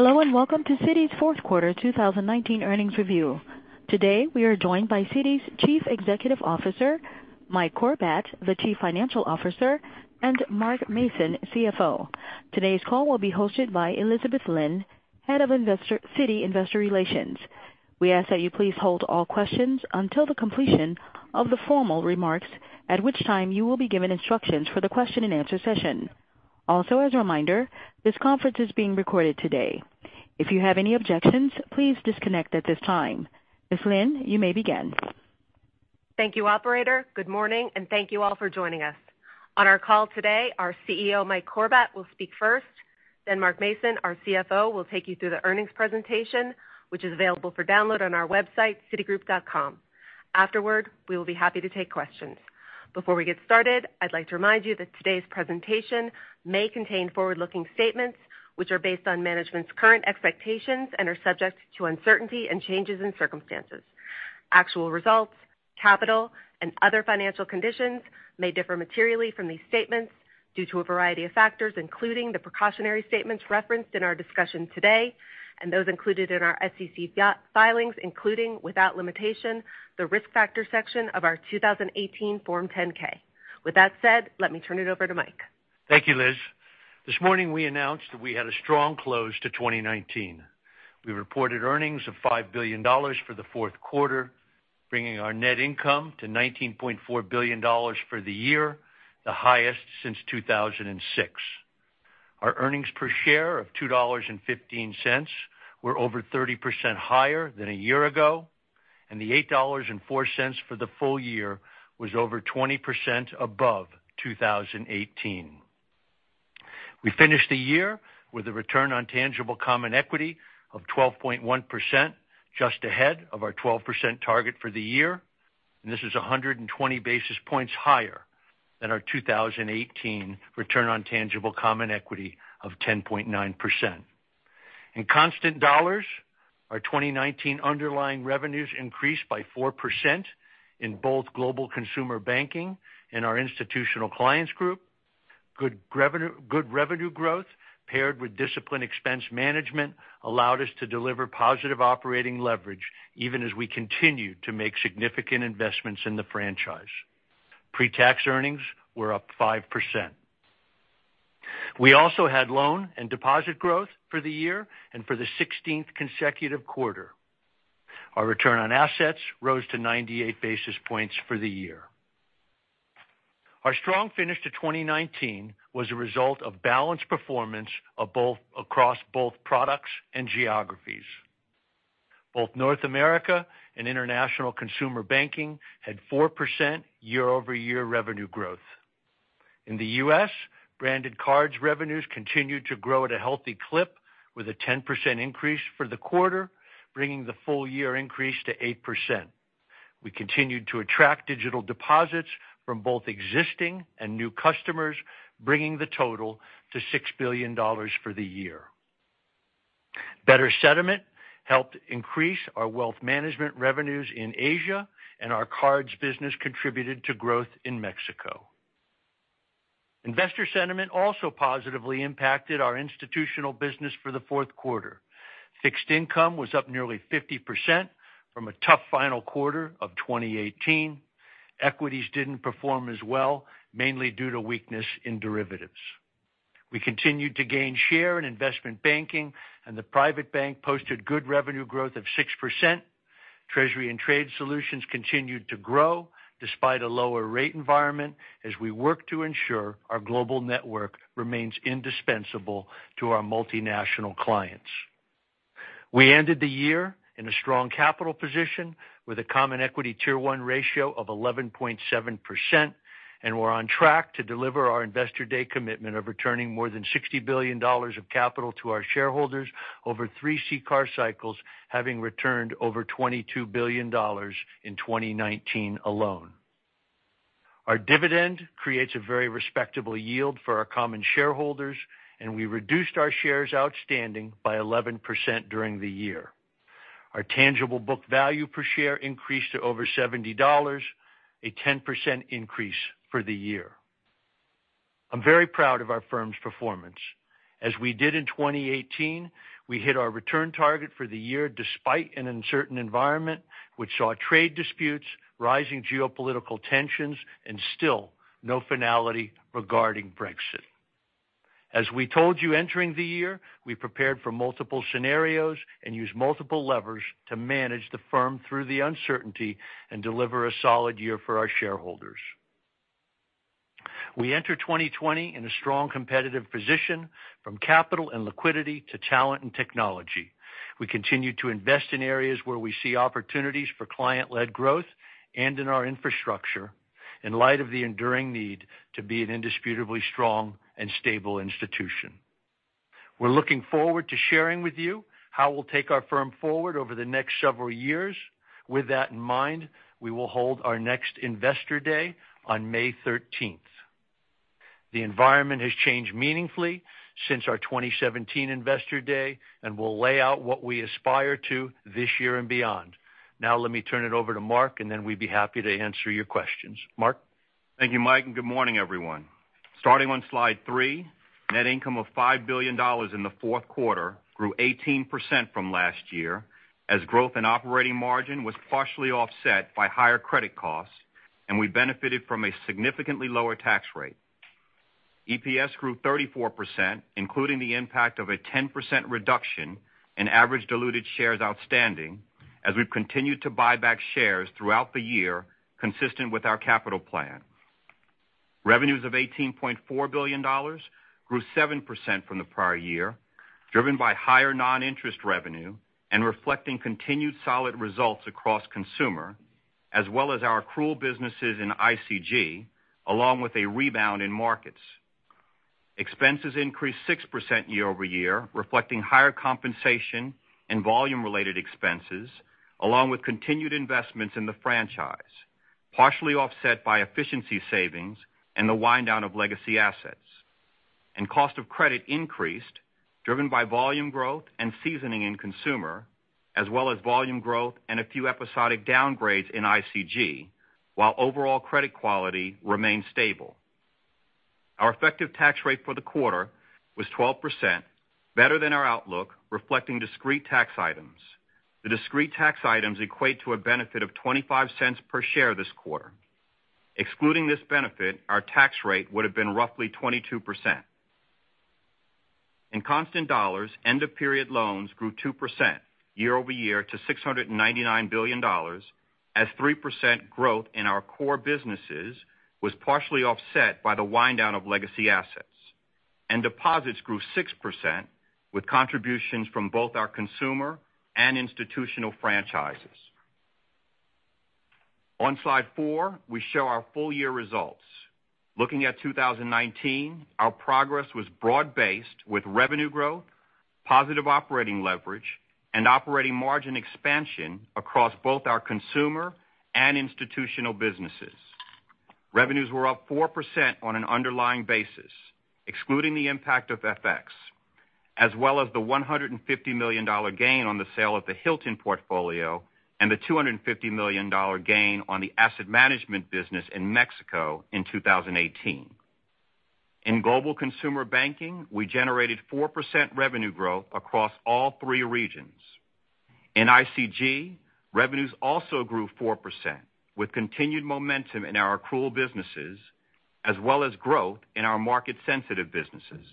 Hello, welcome to Citi's fourth quarter 2019 earnings review. Today, we are joined by Citi's Chief Executive Officer, Mike Corbat, the Chief Financial Officer, and Mark Mason, CFO. Today's call will be hosted by Elizabeth Lynn, Head of Citi Investor Relations. We ask that you please hold all questions until the completion of the formal remarks, at which time you will be given instructions for the question-and-answer session. As a reminder, this conference is being recorded today. If you have any objections, please disconnect at this time. Ms. Lynn, you may begin. Thank you, operator. Good morning. Thank you all for joining us. On our call today, our CEO, Mike Corbat, will speak first, then Mark Mason, our CFO, will take you through the earnings presentation, which is available for download on our website, citigroup.com. Afterward, we will be happy to take questions. Before we get started, I'd like to remind you that today's presentation may contain forward-looking statements, which are based on management's current expectations and are subject to uncertainty and changes in circumstances. Actual results, capital, and other financial conditions may differ materially from these statements due to a variety of factors, including the precautionary statements referenced in our discussion today and those included in our SEC filings, including, without limitation, the Risk Factors section of our 2018 Form 10-K. With that said, let me turn it over to Mike. Thank you, Liz. This morning, we announced that we had a strong close to 2019. We reported earnings of $5 billion for the fourth quarter, bringing our net income to $19.4 billion for the year, the highest since 2006. Our earnings per share of $2.15 were over 30% higher than a year ago, and the $8.04 for the full year was over 20% above 2018. We finished the year with a Return on Tangible Common Equity of 12.1%, just ahead of our 12% target for the year, and this is 120 basis points higher than our 2018 Return on Tangible Common Equity of 10.9%. In constant dollars, our 2019 underlying revenues increased by 4% in both Global Consumer Banking and our Institutional Clients Group. Good revenue growth paired with disciplined expense management allowed us to deliver positive operating leverage even as we continued to make significant investments in the franchise. Pre-tax earnings were up 5%. We also had loan and deposit growth for the year and for the 16th consecutive quarter. Our return on assets rose to 98 basis points for the year. Our strong finish to 2019 was a result of balanced performance across both products and geographies. Both North America and International Consumer Banking had 4% year-over-year revenue growth. In the U.S., Branded Cards revenues continued to grow at a healthy clip with a 10% increase for the quarter, bringing the full-year increase to 8%. We continued to attract digital deposits from both existing and new customers, bringing the total to $6 billion for the year. Better sentiment helped increase our wealth management revenues in Asia, and our cards business contributed to growth in Mexico. Investor sentiment also positively impacted our institutional business for the fourth quarter. Fixed income was up nearly 50% from a tough final quarter of 2018. Equities didn't perform as well, mainly due to weakness in derivatives. We continued to gain share in Investment banking. The private bank posted good revenue growth of 6%. Treasury and Trade Solutions continued to grow despite a lower rate environment as we work to ensure our global network remains indispensable to our multinational clients. We ended the year in a strong capital position with a common equity Tier 1 ratio of 11.7%. We're on track to deliver our Investor Day commitment of returning more than $60 billion of capital to our shareholders over three CCAR cycles, having returned over $22 billion in 2019 alone. Our dividend creates a very respectable yield for our common shareholders. We reduced our shares outstanding by 11% during the year. Our tangible book value per share increased to over $70, a 10% increase for the year. I'm very proud of our firm's performance. As we did in 2018, we hit our return target for the year despite an uncertain environment, which saw trade disputes, rising geopolitical tensions, and still no finality regarding Brexit. As we told you entering the year, we prepared for multiple scenarios and used multiple levers to manage the firm through the uncertainty and deliver a solid year for our shareholders. We enter 2020 in a strong competitive position, from capital and liquidity to talent and technology. We continue to invest in areas where we see opportunities for client-led growth and in our infrastructure in light of the enduring need to be an indisputably strong and stable institution. We're looking forward to sharing with you how we'll take our firm forward over the next several years. With that in mind, we will hold our next Investor Day on May 13th. The environment has changed meaningfully since our 2017 Investor Day, and we'll lay out what we aspire to this year and beyond. Let me turn it over to Mark, and then we'd be happy to answer your questions. Mark? Thank you, Mike, and good morning everyone. Starting on slide three, net income of $5 billion in the fourth quarter grew 18% from last year, as growth in operating margin was partially offset by higher credit costs, and we benefited from a significantly lower tax rate. EPS grew 34%, including the impact of a 10% reduction in average diluted shares outstanding as we've continued to buy back shares throughout the year, consistent with our capital plan. Revenues of $18.4 billion grew 7% from the prior year, driven by higher non-interest revenue and reflecting continued solid results across consumer, as well as our accrual businesses in ICG, along with a rebound in markets. Expenses increased 6% year-over-year, reflecting higher compensation and volume-related expenses, along with continued investments in the franchise, partially offset by efficiency savings and the wind-down of legacy assets. Cost of credit increased, driven by volume growth and seasoning in consumer, as well as volume growth and a few episodic downgrades in ICG, while overall credit quality remained stable. Our effective tax rate for the quarter was 12%, better than our outlook, reflecting discrete tax items. The discrete tax items equate to a benefit of $0.25 per share this quarter. Excluding this benefit, our tax rate would've been roughly 22%. In constant dollars, end-of-period loans grew 2% year-over-year to $699 billion, as 3% growth in our core businesses was partially offset by the wind-down of legacy assets. Deposits grew 6%, with contributions from both our consumer and institutional franchises. On slide four, we show our full-year results. Looking at 2019, our progress was broad-based with revenue growth, positive operating leverage, and operating margin expansion across both our consumer and institutional businesses. Revenues were up 4% on an underlying basis, excluding the impact of FX, as well as the $150 million gain on the sale of the Hilton portfolio and the $250 million gain on the Asset Management business in Mexico in 2018. In Global Consumer Banking, we generated 4% revenue growth across all three regions. In ICG, revenues also grew 4%, with continued momentum in our accrual businesses, as well as growth in our market-sensitive businesses.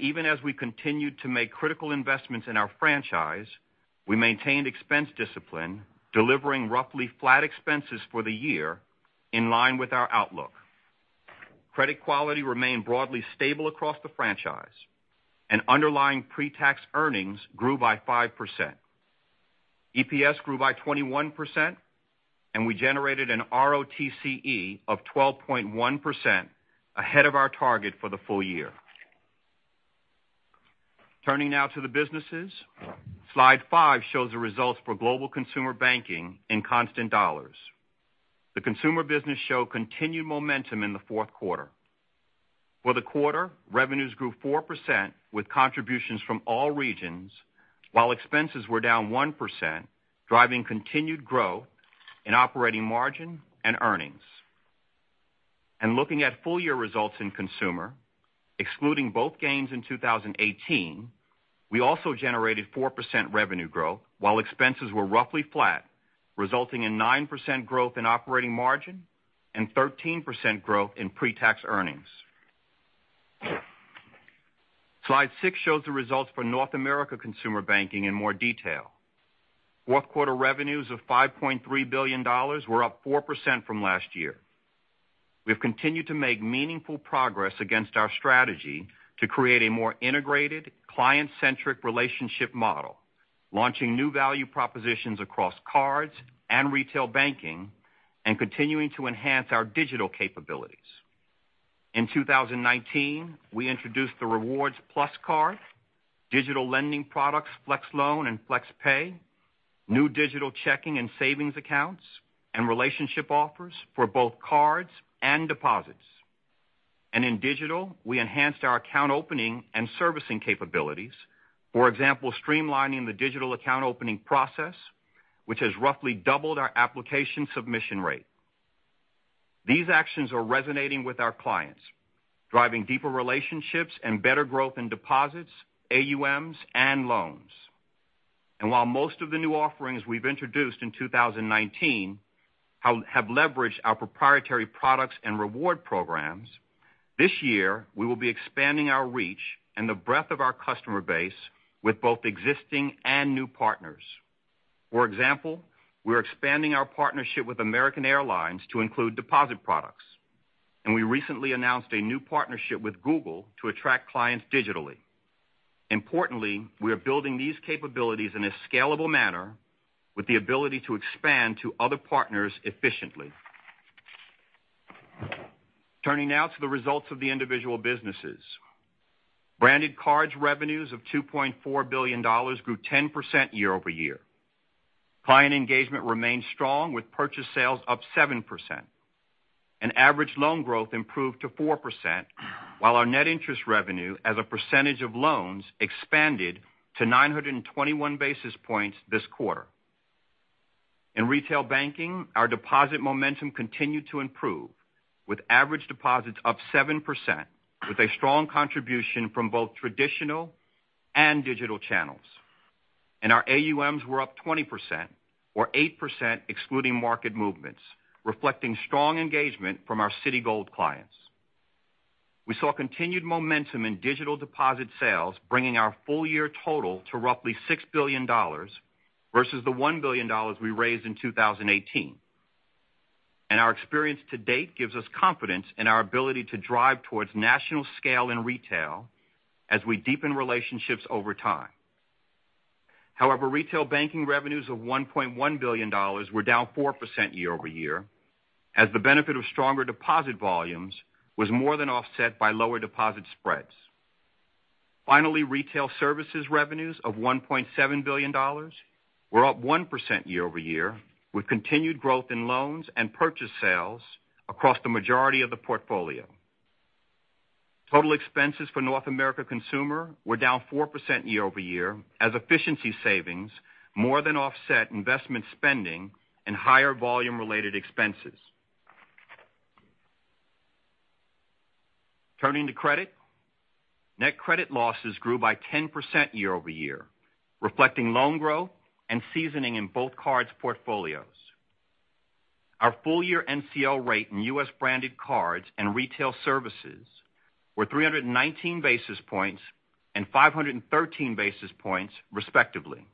Even as we continued to make critical investments in our franchise, we maintained expense discipline, delivering roughly flat expenses for the year, in line with our outlook. Credit quality remained broadly stable across the franchise, and underlying pre-tax earnings grew by 5%. EPS grew by 21%, and we generated an ROTCE of 12.1%, ahead of our target for the full year. Turning now to the businesses. Slide five shows the results for Global Consumer Banking in constant dollars. The consumer business showed continued momentum in the fourth quarter. For the quarter, revenues grew 4%, with contributions from all regions, while expenses were down 1%, driving continued growth in operating margin and earnings. Looking at full-year results in consumer, excluding both gains in 2018, we also generated 4% revenue growth while expenses were roughly flat, resulting in 9% growth in operating margin and 13% growth in pre-tax earnings. Slide six shows the results for North America Consumer Banking in more detail. Fourth quarter revenues of $5.3 billion were up 4% from last year. We've continued to make meaningful progress against our strategy to create a more integrated client-centric relationship model, launching new value propositions across Cards and Retail Banking, and continuing to enhance our digital capabilities. In 2019, we introduced the Rewards+ Card, digital lending products, Flex Loan and Citi Flex Pay, new digital checking and savings accounts, and relationship offers for both cards and deposits. In digital, we enhanced our account opening and servicing capabilities. For example, streamlining the digital account opening process, which has roughly doubled our application submission rate. These actions are resonating with our clients, driving deeper relationships and better growth in deposits, AUMs, and loans. While most of the new offerings we've introduced in 2019 have leveraged our proprietary products and reward programs, this year we will be expanding our reach and the breadth of our customer base with both existing and new partners. For example, we're expanding our partnership with American Airlines to include deposit products. We recently announced a new partnership with Google to attract clients digitally. Importantly, we are building these capabilities in a scalable manner with the ability to expand to other partners efficiently. Turning now to the results of the individual businesses. Branded Cards revenues of $2.4 billion grew 10% year-over-year. Client engagement remained strong, with purchase sales up 7%. Average loan growth improved to 4%, while our net interest revenue as a percentage of loans expanded to 921 basis points this quarter. In Retail Banking, our deposit momentum continued to improve, with average deposits up 7%, with a strong contribution from both traditional and digital channels. Our AUMs were up 20%, or 8% excluding market movements, reflecting strong engagement from our Citigold clients. We saw continued momentum in digital deposit sales, bringing our full-year total to roughly $6 billion versus the $1 billion we raised in 2018. Our experience to date gives us confidence in our ability to drive towards national scale in Retail as we deepen relationships over time. However, Retail Banking revenues of $1.1 billion were down 4% year-over-year, as the benefit of stronger deposit volumes was more than offset by lower deposit spreads. Retail Services revenues of $1.7 billion were up 1% year-over-year, with continued growth in loans and purchase sales across the majority of the portfolio. Total expenses for North America Consumer were down 4% year-over-year, as efficiency savings more than offset investment spending and higher volume-related expenses. Turning to credit. Net credit losses grew by 10% year-over-year, reflecting loan growth and seasoning in both cards portfolios. Our full-year NCL rate in U.S. Branded Cards and Retail Services were 319 basis points and 513 basis points, respectively.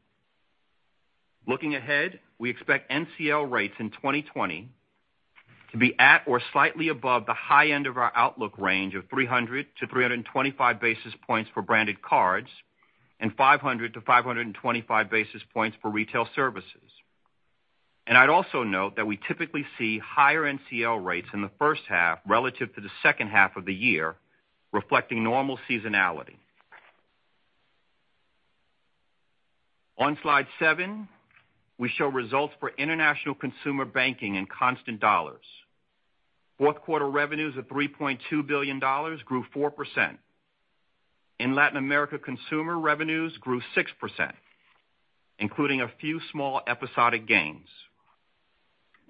Looking ahead, we expect NCL rates in 2020 to be at or slightly above the high end of our outlook range of 300 to 325 basis points for Branded Cards and 500 to 525 basis points for Retail Services. I'd also note that we typically see higher NCL rates in the first half relative to the second half of the year, reflecting normal seasonality. On slide seven, we show results for International Consumer Banking in constant dollars. Fourth quarter revenues of $3.2 billion grew 4%. In Latin America, consumer revenues grew 6%, including a few small episodic gains.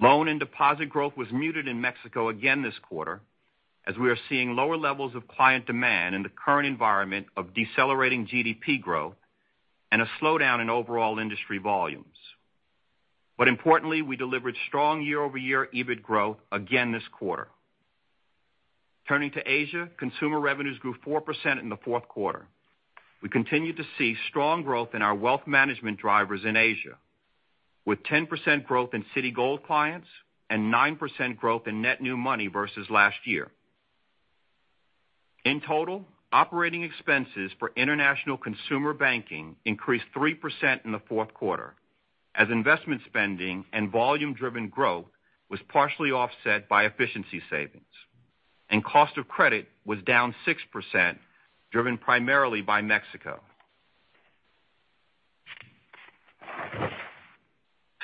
Loan and deposit growth was muted in Mexico again this quarter, as we are seeing lower levels of client demand in the current environment of decelerating GDP growth and a slowdown in overall industry volumes. Importantly, we delivered strong year-over-year EBIT growth again this quarter. Turning to Asia, consumer revenues grew 4% in the fourth quarter. We continue to see strong growth in our wealth management drivers in Asia, with 10% growth in Citigold clients and 9% growth in net new money versus last year. In total, operating expenses for International Consumer Banking increased 3% in the fourth quarter, as investment spending and volume-driven growth was partially offset by efficiency savings, and cost of credit was down 6%, driven primarily by Mexico.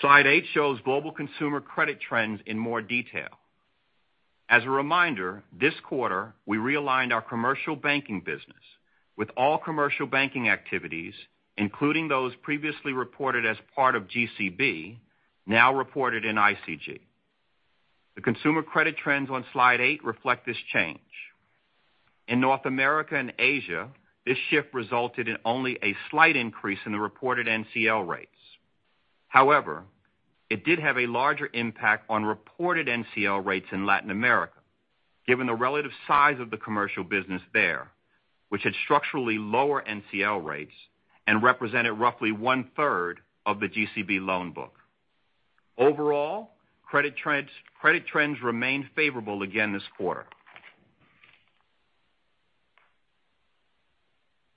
Slide eight shows global consumer credit trends in more detail. As a reminder, this quarter, we realigned our commercial banking business, with all commercial banking activities, including those previously reported as part of GCB, now reported in ICG. The consumer credit trends on slide eight reflect this change. In North America and Asia, this shift resulted in only a slight increase in the reported NCL rates. It did have a larger impact on reported NCL rates in Latin America, given the relative size of the commercial business there, which had structurally lower NCL rates and represented roughly one-third of the GCB loan book. Credit trends remained favorable again this quarter.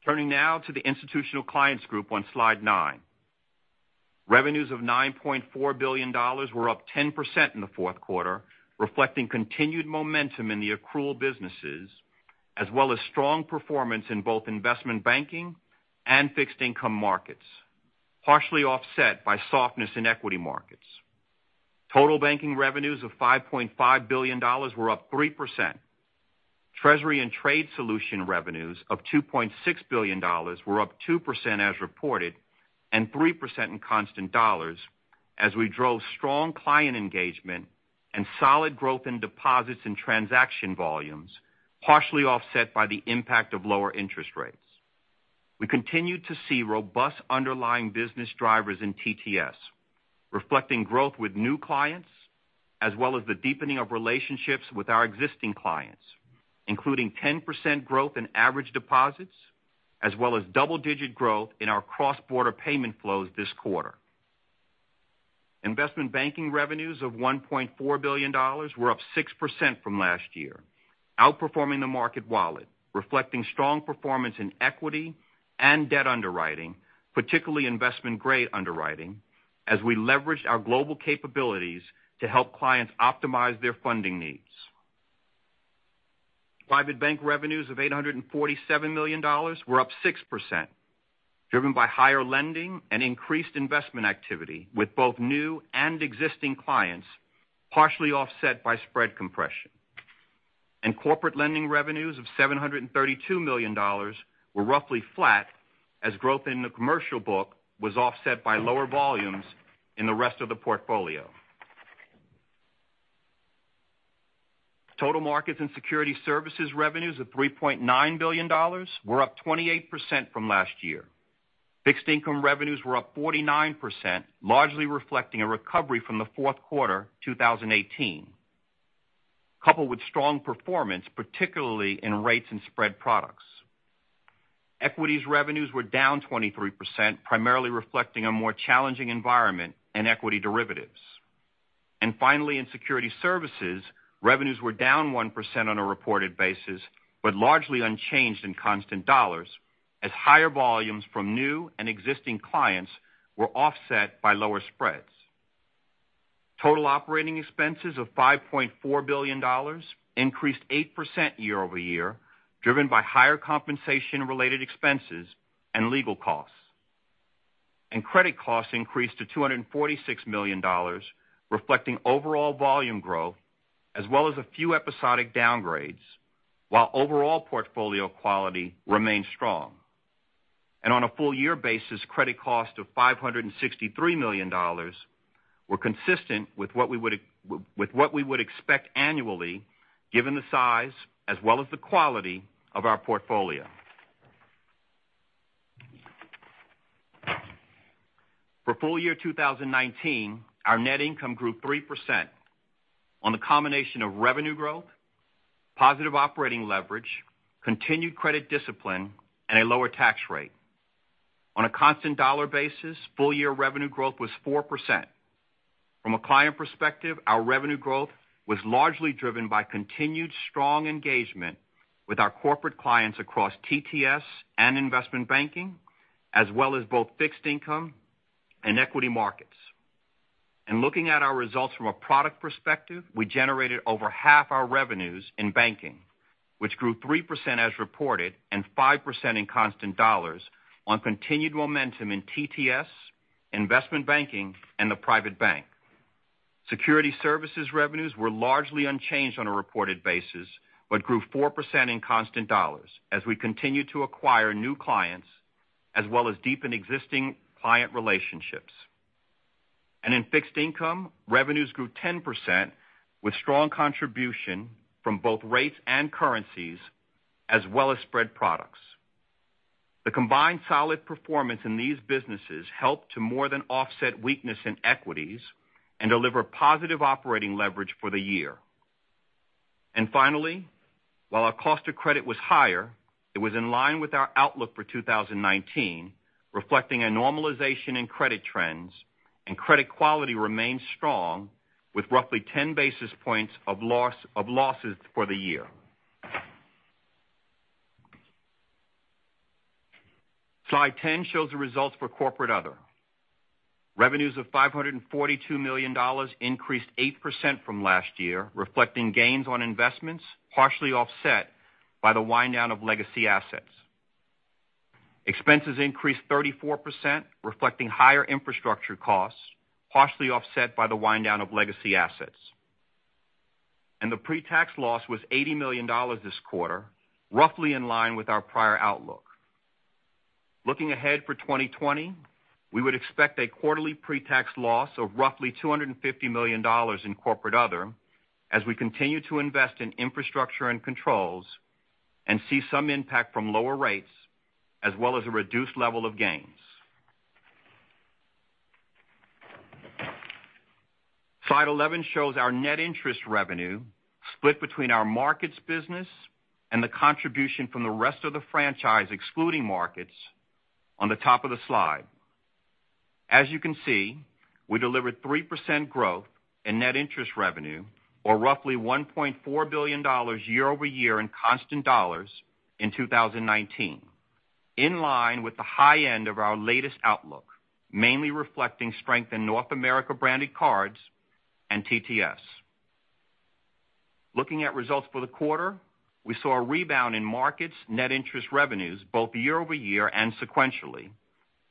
Turning now to the Institutional Clients Group on slide nine. Revenues of $9.4 billion were up 10% in the fourth quarter, reflecting continued momentum in the accrual businesses, as well as strong performance in both investment banking and fixed income markets, partially offset by softness in equity markets. Total banking revenues of $5.5 billion were up 3%. Treasury and Trade Solutions revenues of $2.6 billion were up 2% as reported and 3% in constant dollars, as we drove strong client engagement and solid growth in deposits and transaction volumes, partially offset by the impact of lower interest rates. We continued to see robust underlying business drivers in TTS, reflecting growth with new clients, as well as the deepening of relationships with our existing clients, including 10% growth in average deposits, as well as double-digit growth in our cross-border payment flows this quarter. Investment banking revenues of $1.4 billion were up 6% from last year, outperforming the market wallet, reflecting strong performance in equity and debt underwriting, particularly investment-grade underwriting, as we leveraged our global capabilities to help clients optimize their funding needs. Private bank revenues of $847 million were up 6%, driven by higher lending and increased investment activity with both new and existing clients, partially offset by spread compression. Corporate lending revenues of $732 million were roughly flat, as growth in the commercial book was offset by lower volumes in the rest of the portfolio. Total markets and security services revenues of $3.9 billion were up 28% from last year. Fixed income revenues were up 49%, largely reflecting a recovery from the fourth quarter 2018, coupled with strong performance, particularly in rates and spread products. Equities revenues were down 23%, primarily reflecting a more challenging environment in equity derivatives. Finally, in security services, revenues were down 1% on a reported basis, but largely unchanged in constant dollars, as higher volumes from new and existing clients were offset by lower spreads. Total operating expenses of $5.4 billion increased 8% year-over-year, driven by higher compensation-related expenses and legal costs. Credit costs increased to $246 million, reflecting overall volume growth as well as a few episodic downgrades, while overall portfolio quality remained strong. On a full-year basis, credit costs of $563 million were consistent with what we would expect annually given the size as well as the quality of our portfolio. For full-year 2019, our net income grew 3% on the combination of revenue growth, positive operating leverage, continued credit discipline, and a lower tax rate. On a constant dollar basis, full-year revenue growth was 4%. From a client perspective, our revenue growth was largely driven by continued strong engagement with our corporate clients across TTS and Investment Banking, as well as both Fixed Income and Equity Markets. Looking at our results from a product perspective, we generated over half our revenues in banking, which grew 3% as reported and 5% in constant dollars on continued momentum in TTS, Investment Banking, and the Private Bank. Security Services revenues were largely unchanged on a reported basis, grew 4% in constant dollars as we continued to acquire new clients as well as deepen existing client relationships. In Fixed Income, revenues grew 10% with strong contribution from both rates and currencies as well as spread products. The combined solid performance in these businesses helped to more than offset weakness in equities and deliver positive operating leverage for the year. Finally, while our cost of credit was higher, it was in line with our outlook for 2019, reflecting a normalization in credit trends, and credit quality remained strong with roughly 10 basis points of losses for the year. Slide 10 shows the results for Corporate Other. Revenues of $542 million increased 8% from last year, reflecting gains on investments partially offset by the wind-down of legacy assets. Expenses increased 34%, reflecting higher infrastructure costs, partially offset by the wind-down of legacy assets. The pre-tax loss was $80 million this quarter, roughly in line with our prior outlook. Looking ahead for 2020, we would expect a quarterly pre-tax loss of roughly $250 million in Corporate Other as we continue to invest in infrastructure and controls and see some impact from lower rates as well as a reduced level of gains. Slide 11 shows our net interest revenue split between our markets business and the contribution from the rest of the franchise, excluding markets, on the top of the slide. As you can see, we delivered 3% growth in net interest revenue, or roughly $1.4 billion year-over-year in constant dollars in 2019, in line with the high end of our latest outlook, mainly reflecting strength in North America Branded Cards and TTS. Looking at results for the quarter, we saw a rebound in markets net interest revenues both year-over-year and sequentially,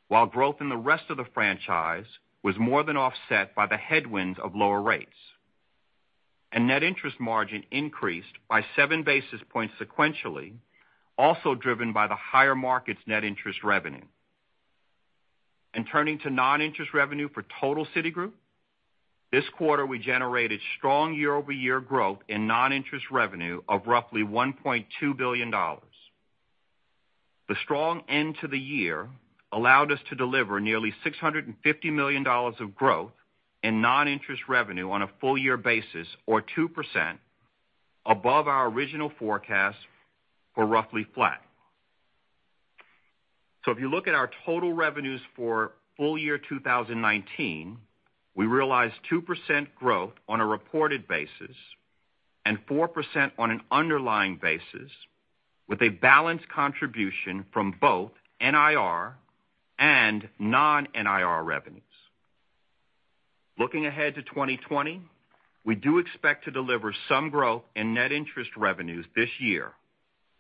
while growth in the rest of the franchise was more than offset by the headwinds of lower rates. Net interest margin increased by seven basis points sequentially, also driven by the higher markets net interest revenue. Turning to non-interest revenue for total Citigroup, this quarter, we generated strong year-over-year growth in non-interest revenue of roughly $1.2 billion. The strong end to the year allowed us to deliver nearly $650 million of growth in non-interest revenue on a full-year basis, or 2% above our original forecast for roughly flat. If you look at our total revenues for full-year 2019, we realized 2% growth on a reported basis and 4% on an underlying basis with a balanced contribution from both NIR and non-NIR revenues. Looking ahead to 2020, we do expect to deliver some growth in net interest revenues this year,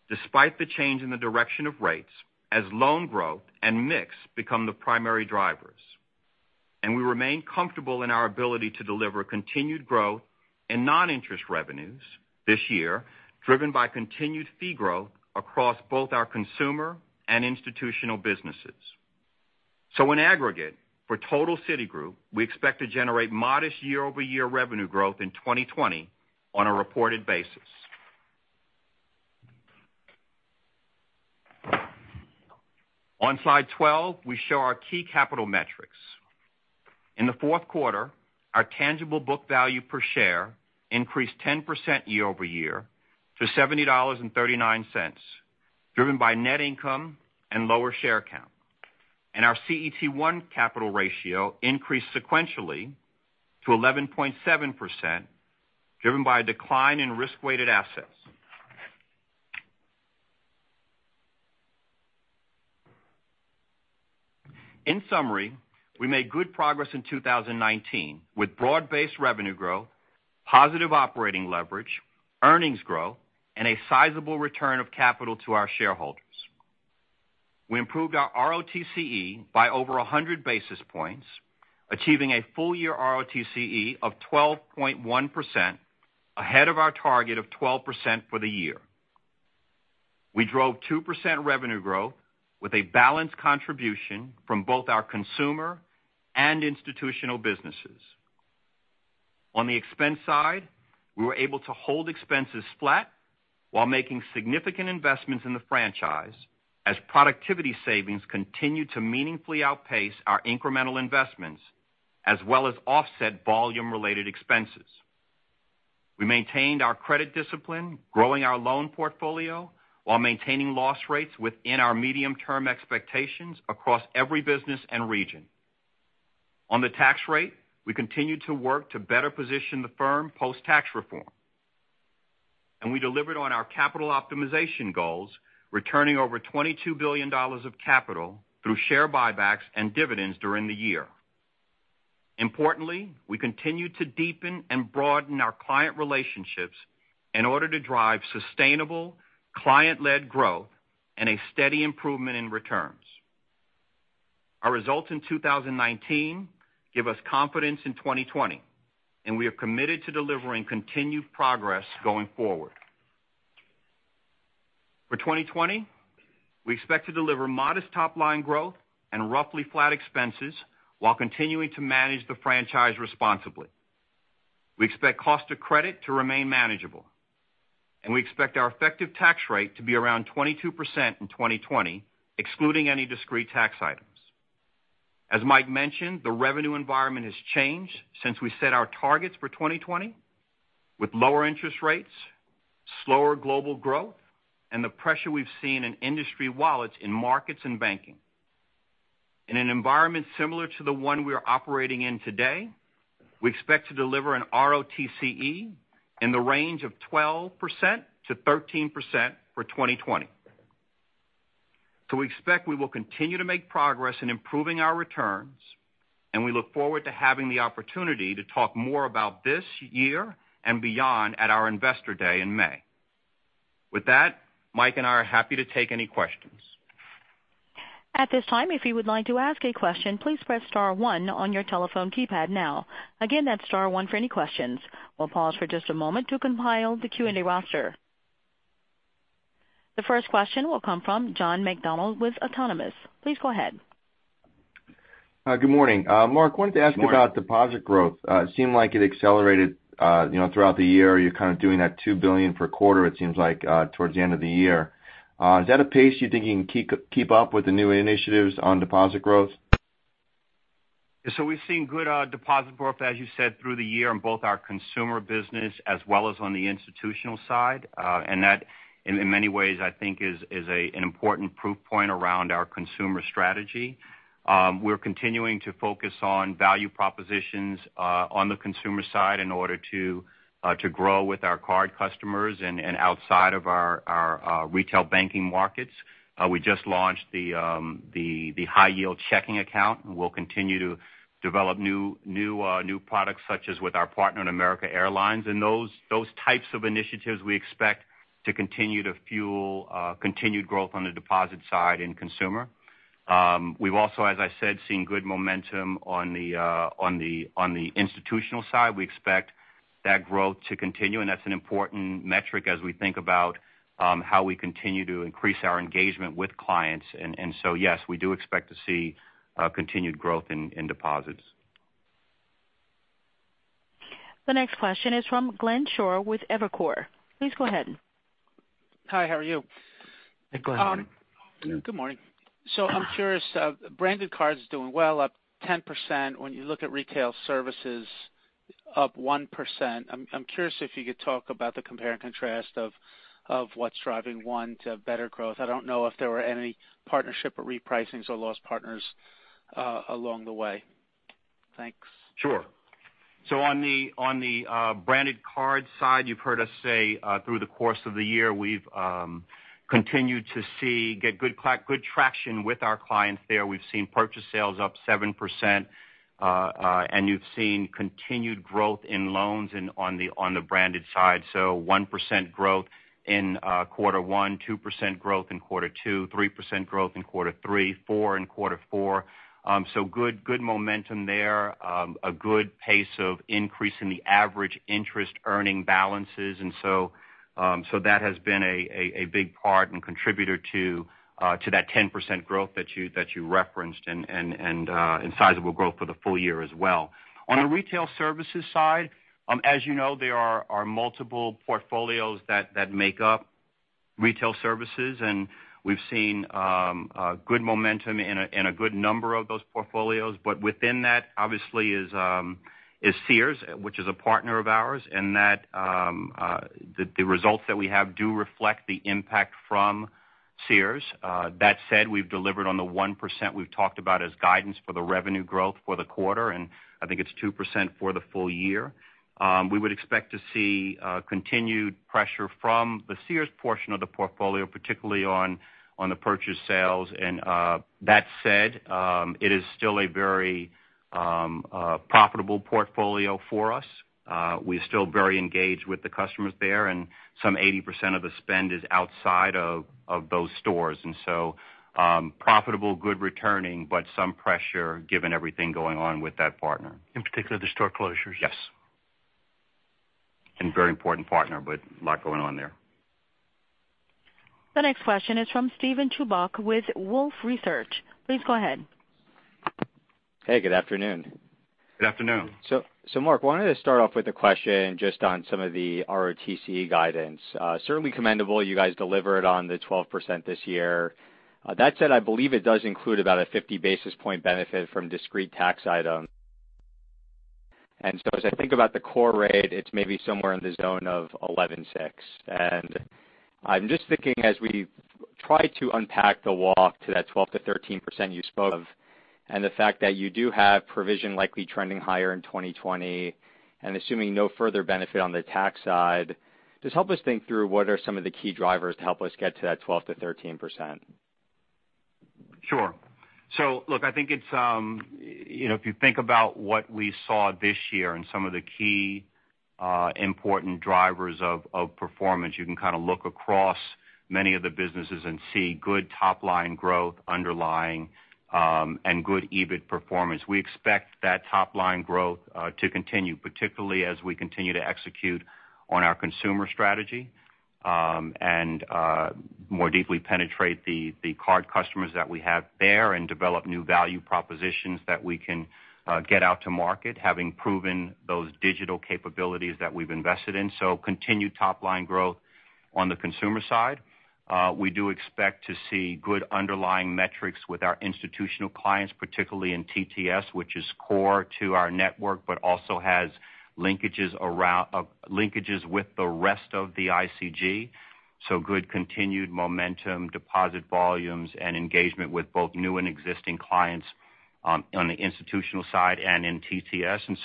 despite the change in the direction of rates, as loan growth and mix become the primary drivers. We remain comfortable in our ability to deliver continued growth in non-interest revenues this year, driven by continued fee growth across both our consumer and institutional businesses. In aggregate, for total Citigroup, we expect to generate modest year-over-year revenue growth in 2020 on a reported basis. On slide 12, we show our key capital metrics. In the fourth quarter, our tangible book value per share increased 10% year-over-year to $70.39, driven by net income and lower share count. Our CET1 capital ratio increased sequentially to 11.7%, driven by a decline in risk-weighted assets. In summary, we made good progress in 2019 with broad-based revenue growth, positive operating leverage, earnings growth, and a sizable return of capital to our shareholders. We improved our ROTCE by over 100 basis points, achieving a full-year ROTCE of 12.1%, ahead of our target of 12% for the year. We drove 2% revenue growth with a balanced contribution from both our consumer and institutional businesses. On the expense side, we were able to hold expenses flat while making significant investments in the franchise, as productivity savings continued to meaningfully outpace our incremental investments, as well as offset volume-related expenses. We maintained our credit discipline, growing our loan portfolio while maintaining loss rates within our medium-term expectations across every business and region. On the tax rate, we continued to work to better position the firm post-tax reform. We delivered on our capital optimization goals, returning over $22 billion of capital through share buybacks and dividends during the year. Importantly, we continued to deepen and broaden our client relationships in order to drive sustainable, client-led growth and a steady improvement in returns. Our results in 2019 give us confidence in 2020, and we are committed to delivering continued progress going forward. For 2020, we expect to deliver modest top-line growth and roughly flat expenses while continuing to manage the franchise responsibly. We expect cost of credit to remain manageable, and we expect our effective tax rate to be around 22% in 2020, excluding any discrete tax items. As Mike mentioned, the revenue environment has changed since we set our targets for 2020, with lower interest rates, slower global growth, and the pressure we've seen in industry wallets in markets and banking. In an environment similar to the one we are operating in today, we expect to deliver an ROTCE in the range of 12%-13% for 2020. We expect we will continue to make progress in improving our returns, and we look forward to having the opportunity to talk more about this year and beyond at our Investor Day in May. With that, Mike and I are happy to take any questions. At this time, if you would like to ask a question, please press star one on your telephone keypad now. Again, that's star one for any questions. We'll pause for just a moment to compile the Q&A roster. The first question will come from John McDonald with Autonomous. Please go ahead. Hi, good morning. Mark, wanted to ask you about deposit growth. Good morning. Seemed like it accelerated throughout the year. You're kind of doing that $2 billion per quarter it seems like towards the end of the year. Is that a pace you think you can keep up with the new initiatives on deposit growth? We've seen good deposit growth, as you said, through the year on both our consumer business as well as on the institutional side. That, in many ways, I think, is an important proof point around our consumer strategy. We're continuing to focus on value propositions on the consumer side in order to grow with our card customers and outside of our retail banking markets. We just launched the high-yield checking account, and we'll continue to develop new products, such as with our partner in American Airlines. Those types of initiatives we expect to continue to fuel continued growth on the deposit side in consumer. We've also, as I said, seen good momentum on the institutional side. We expect that growth to continue, and that's an important metric as we think about how we continue to increase our engagement with clients. Yes, we do expect to see continued growth in deposits. The next question is from Glenn Schorr with Evercore. Please go ahead. Hi, how are you? Hi, Glenn. Good morning. Good morning. I'm curious, Branded Cards doing well, up 10%. You look at Retail Services, up 1%. I'm curious if you could talk about the compare and contrast of what's driving one to better growth. I don't know if there were any partnership or repricings or lost partners along the way. Thanks. Sure. On the Branded Cards side, you've heard us say, through the course of the year, we've continued to get good traction with our clients there. We've seen purchase sales up 7%, and you've seen continued growth in loans on Branded Cards side. 1% growth in quarter one, 2% growth in quarter two, 3% growth in quarter three, 4% in quarter four. Good momentum there. A good pace of increase in the average interest earning balances. That has been a big part and contributor to that 10% growth that you referenced, and sizable growth for the full year as well. On the Retail Services side, as you know, there are multiple portfolios that make up Retail Services, and we've seen good momentum in a good number of those portfolios. Within that, obviously, is Sears, which is a partner of ours, and the results that we have do reflect the impact from Sears. That said, we've delivered on the 1% we've talked about as guidance for the revenue growth for the quarter, and I think it's 2% for the full year. We would expect to see continued pressure from the Sears portion of the portfolio, particularly on the purchase sales. That said, it is still a very profitable portfolio for us. We're still very engaged with the customers there, and some 80% of the spend is outside of those stores. Profitable, good returning, but some pressure given everything going on with that partner. In particular, the store closures. Yes. Very important partner, but a lot going on there. The next question is from Steven Chubak with Wolfe Research. Please go ahead. Hey, good afternoon. Good afternoon. Mark, wanted to start off with a question just on some of the ROTCE guidance. Certainly commendable, you guys delivered on the 12% this year. That said, I believe it does include about a 50 basis point benefit from discrete tax items. As I think about the core rate, it's maybe somewhere in the zone of 11.6. I'm just thinking as we try to unpack the walk to that 12%-13% you spoke of, and the fact that you do have provision likely trending higher in 2020, and assuming no further benefit on the tax side, just help us think through what are some of the key drivers to help us get to that 12%-13%. Sure. If you think about what we saw this year and some of the key important drivers of performance, you can kind of look across many of the businesses and see good top-line growth underlying and good EBIT performance. We expect that top-line growth to continue, particularly as we continue to execute on our consumer strategy, and more deeply penetrate the card customers that we have there and develop new value propositions that we can get out to market, having proven those digital capabilities that we've invested in. Continued top-line growth on the consumer side. We do expect to see good underlying metrics with our institutional clients, particularly in TTS, which is core to our network, but also has linkages with the rest of the ICG. Good continued momentum, deposit volumes, and engagement with both new and existing clients on the institutional side and in TTS.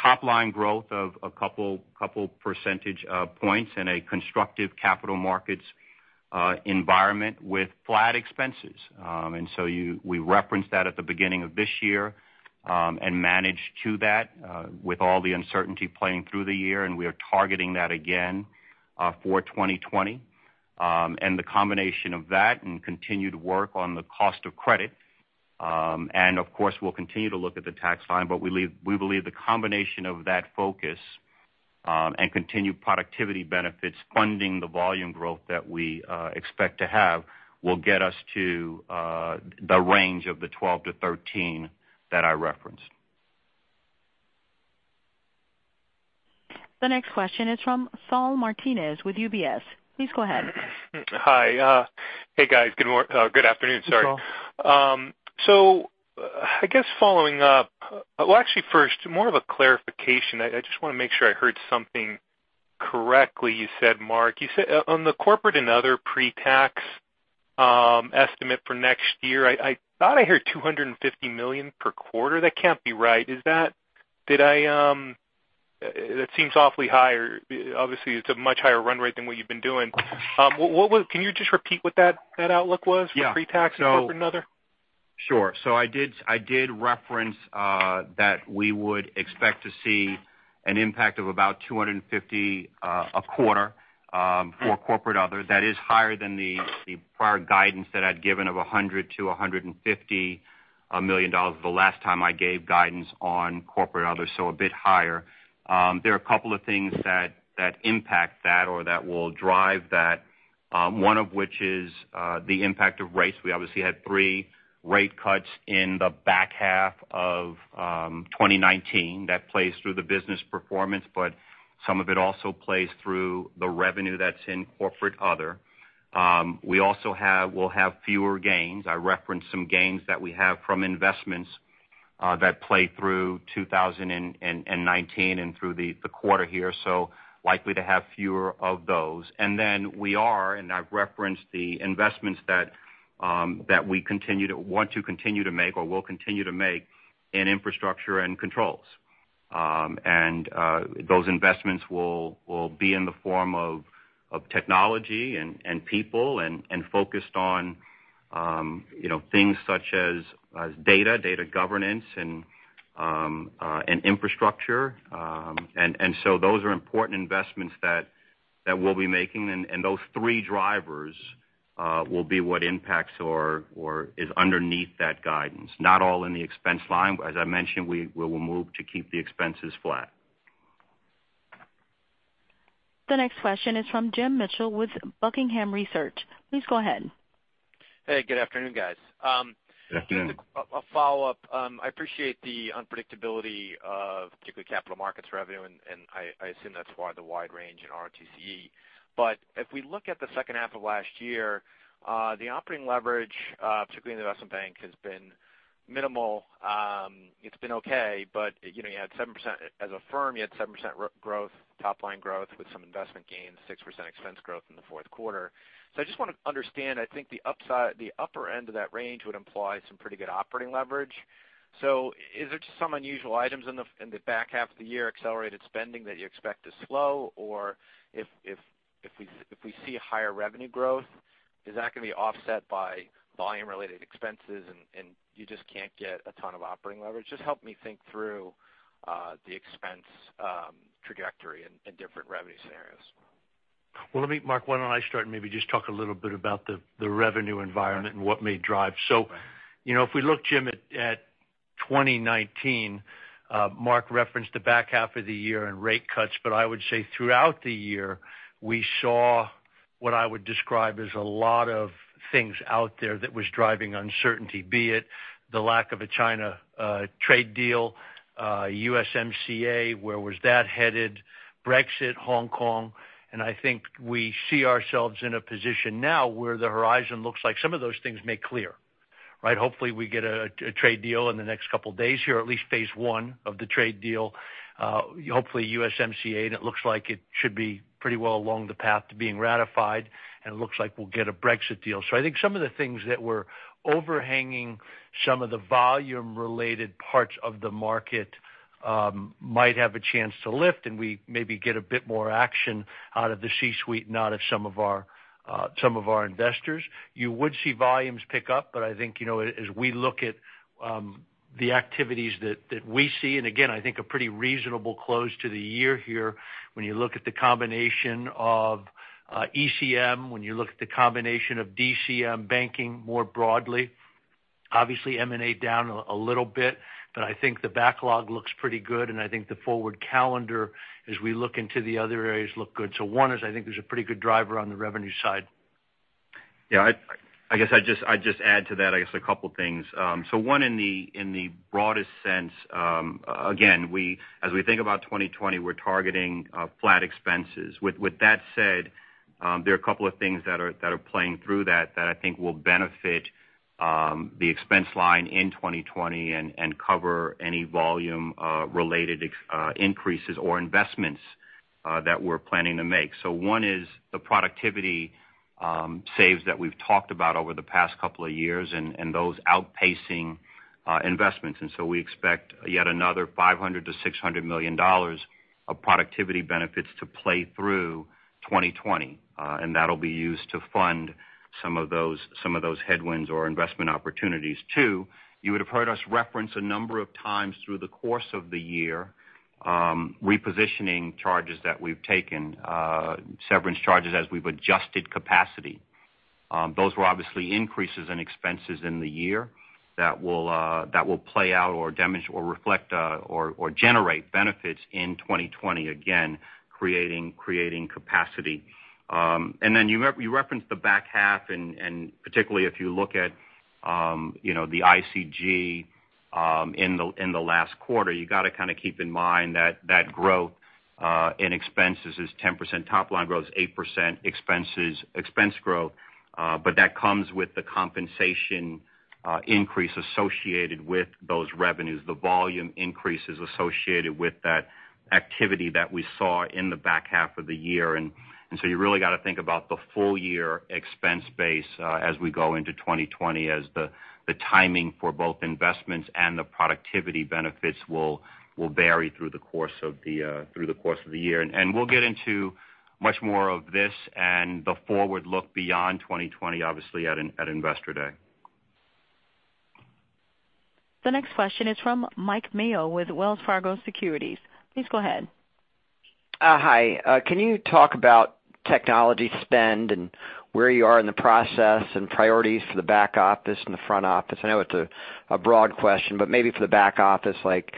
Top line growth of a couple percentage points in a constructive capital markets environment with flat expenses. We referenced that at the beginning of this year, and managed to that with all the uncertainty playing through the year, and we are targeting that again for 2020. The combination of that and continued work on the cost of credit, and of course, we'll continue to look at the tax line, but we believe the combination of that focus and continued productivity benefits funding the volume growth that we expect to have will get us to the range of the 12%-13% that I referenced. The next question is from Saul Martinez with UBS. Please go ahead. Hi. Hey, guys. Good afternoon. Sorry. Hey, Saul. I guess following up, actually first, more of a clarification. I just want to make sure I heard something correctly you said, Mark. On the Corporate Other pre-tax estimate for next year, I thought I heard $250 million per quarter. That can't be right. That seems awfully high, or obviously, it's a much higher run rate than what you've been doing. Can you just repeat what that outlook was for pre-tax and Corporate Other? Sure. I did reference that we would expect to see an impact of about $250 a quarter for Corporate Other. That is higher than the prior guidance that I'd given of $100 million-$150 million the last time I gave guidance on Corporate Other, so a bit higher. There are a couple of things that impact that or that will drive that, one of which is the impact of rates. We obviously had three rate cuts in the back half of 2019. That plays through the business performance, but some of it also plays through the revenue that's in Corporate Other. We also will have fewer gains. I referenced some gains that we have from investments that play through 2019 and through the quarter here, so likely to have fewer of those. We are, I've referenced the investments that we want to continue to make or will continue to make in infrastructure and controls. Those investments will be in the form of technology and people, and focused on things such as data governance, and infrastructure. Those are important investments that we'll be making. Those three drivers. Will be what impacts or is underneath that guidance, not all in the expense line. As I mentioned, we will move to keep the expenses flat. The next question is from Jim Mitchell with Buckingham Research. Please go ahead. Hey, good afternoon, guys. Good afternoon. A follow-up. I appreciate the unpredictability of particularly capital markets revenue, and I assume that's why the wide range in ROTCE. If we look at the second half of last year, the operating leverage, particularly in the investment bank, has been minimal. It's been okay, but as a firm, you had 7% top-line growth with some investment gains, 6% expense growth in the fourth quarter. I just want to understand, I think the upper end of that range would imply some pretty good operating leverage. Is there just some unusual items in the back half of the year, accelerated spending that you expect to slow? If we see a higher revenue growth, is that going to be offset by volume-related expenses, and you just can't get a ton of operating leverage? Just help me think through the expense trajectory in different revenue scenarios. Let me, Mark, why don't I start and maybe just talk a little bit about the revenue environment and what may drive. If we look, Jim, at 2019, Mark referenced the back half of the year and rate cuts, but I would say throughout the year, we saw what I would describe as a lot of things out there that was driving uncertainty. Be it the lack of a China trade deal, USMCA, where was that headed, Brexit, Hong Kong, and I think we see ourselves in a position now where the horizon looks like some of those things may clear. Hopefully, we get a trade deal in the next couple of days here, at least phase one of the trade deal. Hopefully, USMCA, and it looks like it should be pretty well along the path to being ratified, and it looks like we'll get a Brexit deal. I think some of the things that were overhanging some of the volume-related parts of the market might have a chance to lift, and we maybe get a bit more action out of the C-suite and out of some of our investors. You would see volumes pick up, but I think, as we look at the activities that we see, and again, I think a pretty reasonable close to the year here, when you look at the combination of ECM, when you look at the combination of DCM banking more broadly. Obviously, M&A down a little bit, but I think the backlog looks pretty good, and I think the forward calendar, as we look into the other areas, look good. One is, I think there's a pretty good driver on the revenue side. Yeah. I guess I'd just add to that, a couple of things. One, in the broadest sense, again, as we think about 2020, we're targeting flat expenses. With that said, there are a couple of things that are playing through that I think will benefit the expense line in 2020 and cover any volume-related increases or investments that we're planning to make. One is the productivity saves that we've talked about over the past couple of years and those outpacing investments. We expect yet another $500 million-$600 million of productivity benefits to play through 2020. That'll be used to fund some of those headwinds or investment opportunities. Two, you would have heard us reference a number of times through the course of the year, repositioning charges that we've taken, severance charges as we've adjusted capacity. Those were obviously increases in expenses in the year that will play out or reflect or generate benefits in 2020, again, creating capacity. Then you referenced the back half, and particularly if you look at the ICG in the last quarter, you got to kind of keep in mind that growth in expenses is 10%, top-line growth is 8% expense growth. That comes with the compensation increase associated with those revenues, the volume increases associated with that activity that we saw in the back half of the year. So you really got to think about the full-year expense base as we go into 2020 as the timing for both investments and the productivity benefits will vary through the course of the year. We'll get into much more of this and the forward look beyond 2020, obviously, at Investor Day. The next question is from Mike Mayo with Wells Fargo Securities. Please go ahead. Hi. Can you talk about technology spend and where you are in the process and priorities for the back office and the front office? I know it's a broad question, but maybe for the back office, like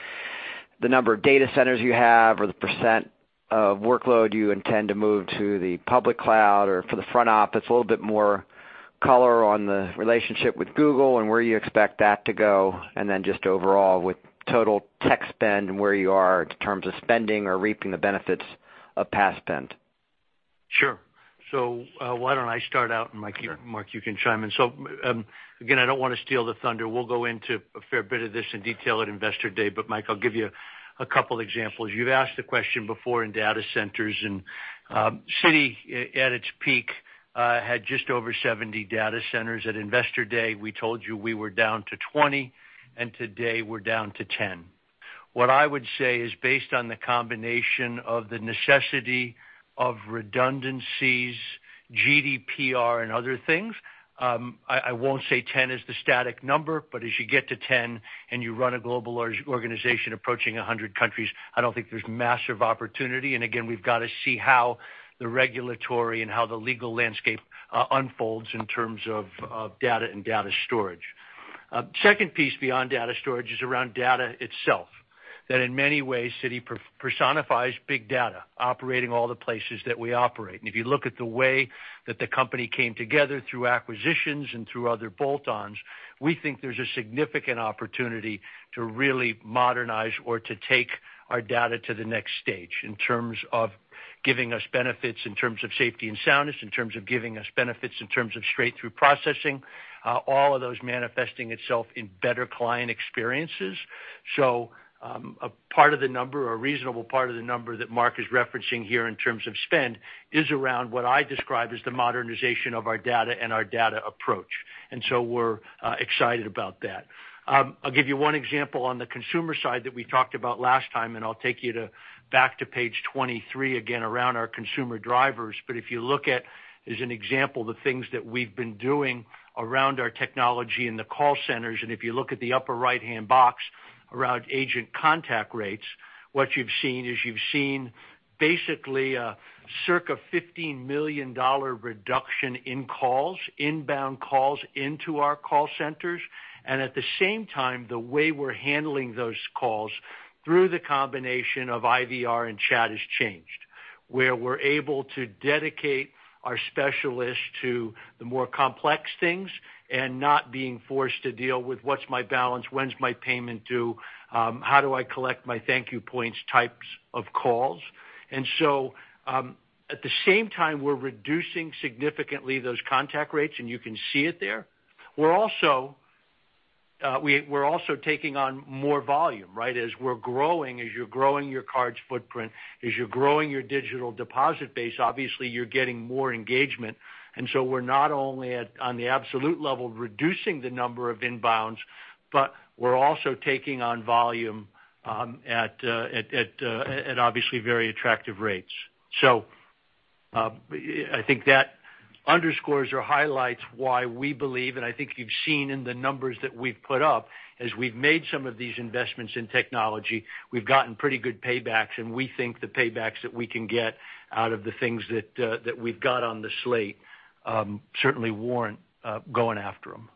the number of data centers you have or the percent of workload you intend to move to the public cloud, or for the front office, a little bit more color on the relationship with Google and where you expect that to go, and then just overall with total tech spend and where you are in terms of spending or reaping the benefits of past spend. Sure. Why don't I start out, and Mark, you can chime in. Again, I don't want to steal the thunder. We'll go into a fair bit of this in detail at Investor Day. Mike, I'll give you a couple examples. You've asked the question before in data centers, and Citi, at its peak, had just over 70 data centers. At Investor Day, we told you we were down to 20, and today we're down to 10. What I would say is based on the combination of the necessity of redundancies, GDPR, and other things. I won't say 10 is the static number, but as you get to 10 and you run a global organization approaching 100 countries, I don't think there's massive opportunity. Again, we've got to see how the regulatory and how the legal landscape unfolds in terms of data and data storage. Second piece beyond data storage is around data itself. In many ways, Citi personifies big data, operating all the places that we operate. If you look at the way that the company came together through acquisitions and through other bolt-ons, we think there's a significant opportunity to really modernize or to take our data to the next stage in terms of giving us benefits, in terms of safety and soundness, in terms of giving us benefits, in terms of straight through processing, all of those manifesting itself in better client experiences. A part of the number, a reasonable part of the number that Mark is referencing here in terms of spend, is around what I describe as the modernization of our data and our data approach. We're excited about that. I'll give you one example on the consumer side that we talked about last time, and I'll take you back to page 23 again around our consumer drivers. If you look at, as an example, the things that we've been doing around our technology in the call centers, and if you look at the upper right-hand box around agent contact rates, what you've seen basically a circa $15 million reduction in calls, inbound calls into our call centers. At the same time, the way we're handling those calls through the combination of IVR and chat has changed, where we're able to dedicate our specialists to the more complex things and not being forced to deal with what's my balance? When's my payment due? How do I collect my ThankYou points types of calls. At the same time, we're reducing significantly those contact rates, and you can see it there. We're also taking on more volume, right? As we're growing, as you're growing your card's footprint, as you're growing your digital deposit base, obviously you're getting more engagement. We're not only at, on the absolute level, reducing the number of inbounds, but we're also taking on volume at obviously very attractive rates. I think that underscores or highlights why we believe, and I think you've seen in the numbers that we've put up, as we've made some of these investments in technology, we've gotten pretty good paybacks, and we think the paybacks that we can get out of the things that we've got on the slate certainly warrant going after them.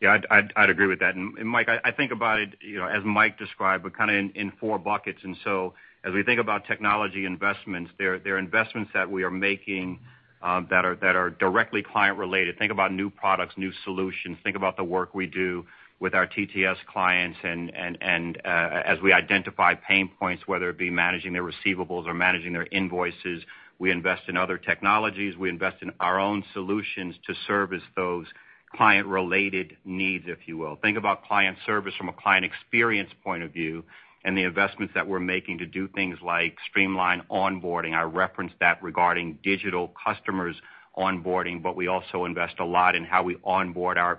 Yeah. I'd agree with that. Mike, I think about it, as Mike described, but kind of in four buckets. As we think about technology investments, they're investments that we are making that are directly client related. Think about new products, new solutions. Think about the work we do with our TTS clients and as we identify pain points, whether it be managing their receivables or managing their invoices. We invest in other technologies. We invest in our own solutions to service those client-related needs, if you will. Think about client service from a client experience point of view and the investments that we're making to do things like streamline onboarding. I referenced that regarding digital customers onboarding, but we also invest a lot in how we onboard our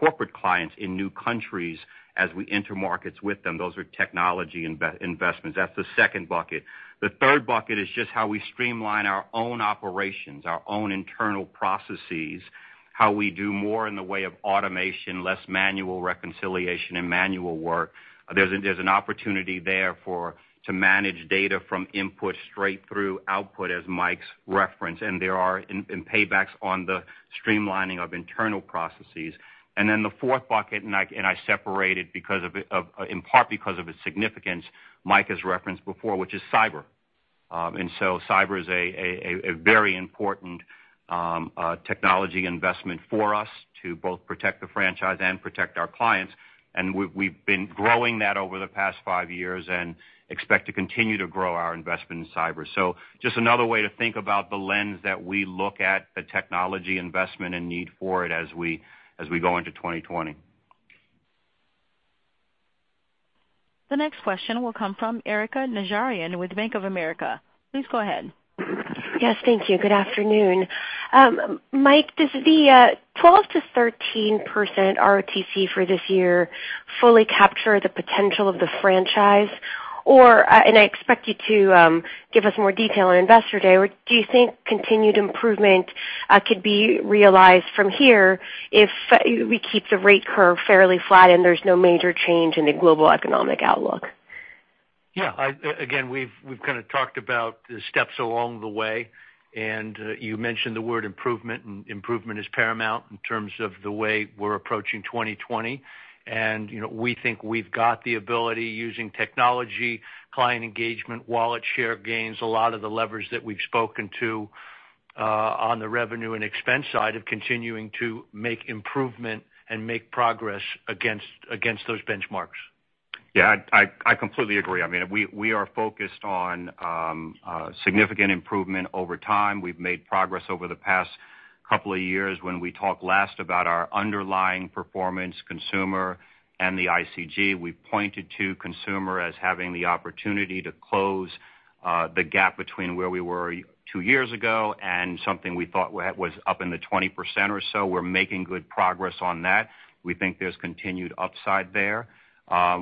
corporate clients in new countries as we enter markets with them. Those are technology investments. That's the second bucket. The third bucket is just how we streamline our own operations, our own internal processes, how we do more in the way of automation, less manual reconciliation and manual work. There's an opportunity there to manage data from input straight through output, as Mike's referenced. There are paybacks on the streamlining of internal processes. The fourth bucket, I separated in part because of its significance Mike has referenced before, which is cyber. Cyber is a very important technology investment for us to both protect the franchise and protect our clients. We've been growing that over the past five years and expect to continue to grow our investment in cyber. Just another way to think about the lens that we look at the technology investment and need for it as we go into 2020. The next question will come from Erika Najarian with Bank of America. Please go ahead. Yes, thank you. Good afternoon. Mike, does the 12%-13% ROTCE for this year fully capture the potential of the franchise? I expect you to give us more detail on Investor Day, or do you think continued improvement could be realized from here if we keep the rate curve fairly flat and there's no major change in the global economic outlook? Yeah. We've kind of talked about the steps along the way, and you mentioned the word improvement, and improvement is paramount in terms of the way we're approaching 2020. We think we've got the ability using technology, client engagement, wallet share gains, a lot of the levers that we've spoken to on the revenue and expense side of continuing to make improvement and make progress against those benchmarks. Yeah. I completely agree. We are focused on significant improvement over time. We've made progress over the past couple of years when we talked last about our underlying performance Consumer and the ICG. We pointed to Consumer as having the opportunity to close the gap between where we were two years ago and something we thought was up in the 20% or so. We're making good progress on that. We think there's continued upside there.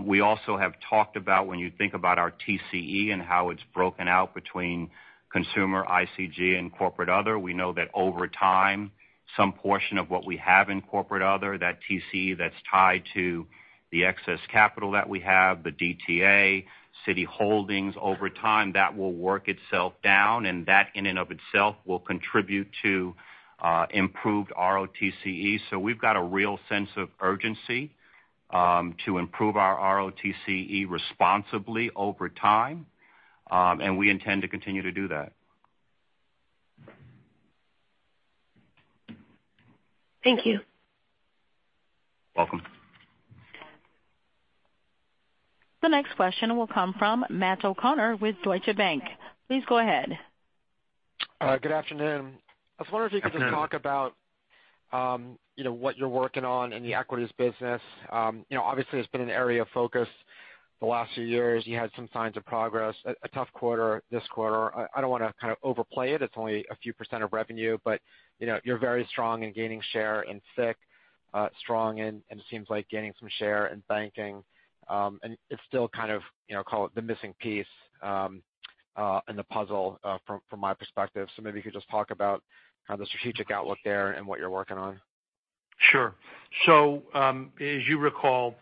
We also have talked about when you think about our TCE and how it's broken out between Consumer, ICG and Corporate Other, we know that over time, some portion of what we have in Corporate Other, that TCE that's tied to the excess capital that we have, the DTA, Citi Holdings over time, that will work itself down, and that in and of itself will contribute to improved ROTCE. We've got a real sense of urgency to improve our ROTCE responsibly over time. We intend to continue to do that. Thank you. Welcome. The next question will come from Matt O'Connor with Deutsche Bank. Please go ahead. Good afternoon. I was wondering if you could just talk about what you're working on in the equities business. Obviously, it's been an area of focus the last few years. You had some signs of progress, a tough quarter this quarter. I don't want to kind of overplay it. It's only a few percent of revenue, but you're very strong in gaining share in FICC, strong and it seems like gaining some share in banking. It's still kind of, call it the missing piece in the puzzle, from my perspective. Maybe you could just talk about kind of the strategic outlook there and what you're working on. Sure. As you recall,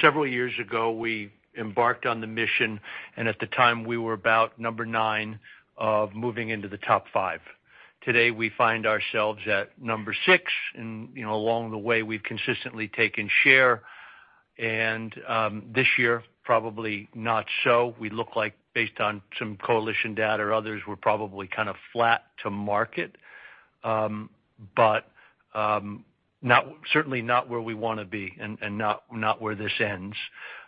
several years ago, we embarked on the mission, and at the time, we were about number nine of moving into the top five. Today, we find ourselves at number six. Along the way, we've consistently taken share. This year, probably not so. We look like, based on some Coalition Greenwich data or others, we're probably kind of flat to market. Certainly not where we want to be and not where this ends.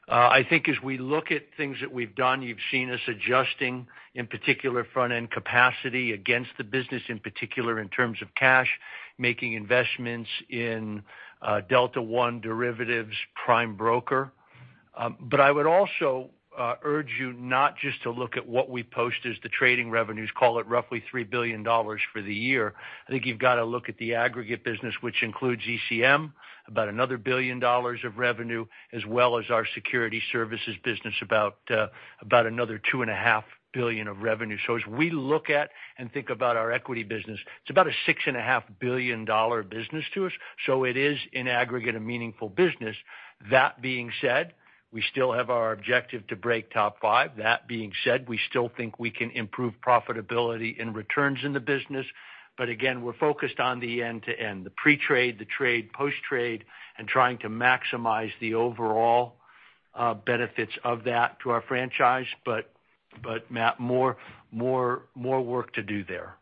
I think as we look at things that we've done, you've seen us adjusting, in particular front-end capacity against the business, in particular in terms of cash, making investments in Delta One derivatives prime broker. I would also urge you not just to look at what we post as the trading revenues, call it roughly $3 billion for the year. I think you've got to look at the aggregate business, which includes ECM, about another $1 billion of revenue, as well as our security services business, about another $2.5 billion of revenue. As we look at and think about our equity business, it's about a $6.5 billion business to us. It is, in aggregate, a meaningful business. That being said, we still have our objective to break top five. That being said, we still think we can improve profitability and returns in the business. Again, we're focused on the end-to-end, the pre-trade, the trade, post-trade, and trying to maximize the overall benefits of that to our franchise. Matt, more work to do there.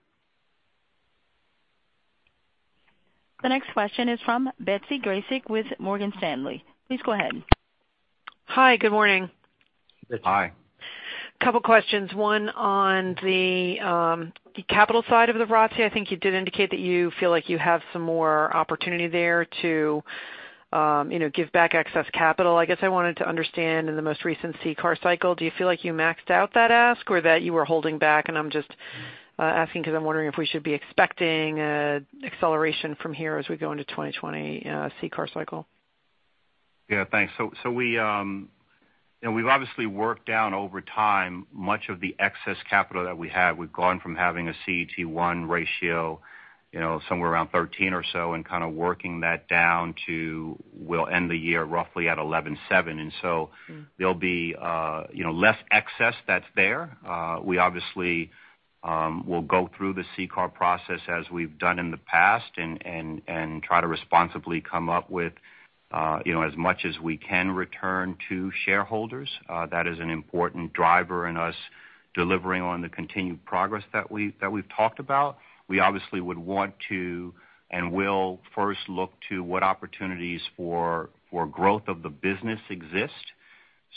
The next question is from Betsy Graseck with Morgan Stanley. Please go ahead. Hi, good morning. Hi. A couple questions. One on the capital side of the ROTCE. I think you did indicate that you feel like you have some more opportunity there to give back excess capital. I guess I wanted to understand in the most recent CCAR cycle, do you feel like you maxed out that ask or that you were holding back? I'm just asking because I'm wondering if we should be expecting acceleration from here as we go into 2020 CCAR cycle. Yeah, thanks. We've obviously worked down over time much of the excess capital that we had. We've gone from having a CET1 ratio somewhere around 13 or so and kind of working that down to, we'll end the year roughly at 11.7. There'll be less excess that's there. We obviously will go through the CCAR process as we've done in the past and try to responsibly come up with as much as we can return to shareholders. That is an important driver in us delivering on the continued progress that we've talked about. We obviously would want to, and will first look to what opportunities for growth of the business exist.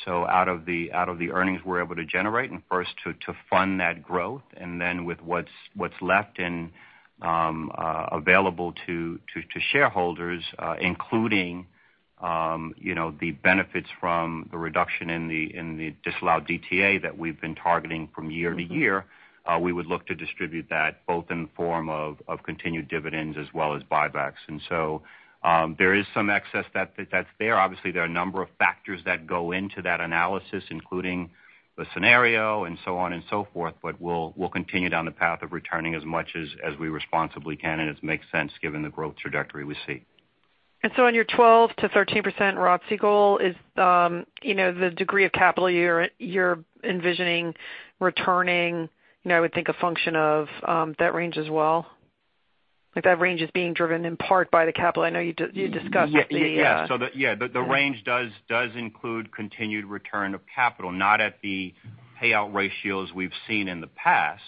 Out of the earnings we're able to generate and first to fund that growth, and then with what's left and available to shareholders, including the benefits from the reduction in the disallowed DTA that we've been targeting from year to year. We would look to distribute that both in the form of continued dividends as well as buybacks. There is some excess that's there. Obviously, there are a number of factors that go into that analysis, including the scenario and so on and so forth, but we'll continue down the path of returning as much as we responsibly can, and it makes sense given the growth trajectory we see. On your 12%-13% ROTCE goal, the degree of capital you're envisioning returning, I would think a function of that range as well. If that range is being driven in part by the capital I know you discussed at the. Yeah. The range does include continued return of capital, not at the payout ratios we've seen in the past,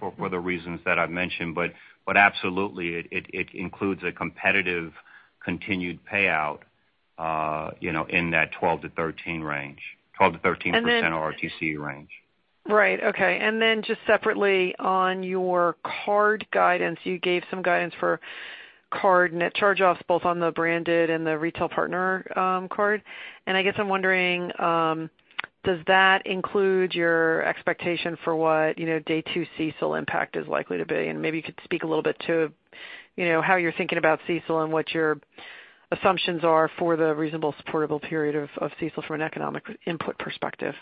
for the reasons that I've mentioned. Absolutely, it includes a competitive continued payout. In that 12%-13% range, 12%-13% ROTCE range. Right. Okay. Then just separately on your card guidance, you gave some guidance for card net charge-offs both on the branded and the retail partner card. I guess I'm wondering, does that include your expectation for what day two CECL impact is likely to be? Maybe you could speak a little bit to how you're thinking about CECL and what your assumptions are for the reasonable supportable period of CECL from an economic input perspective.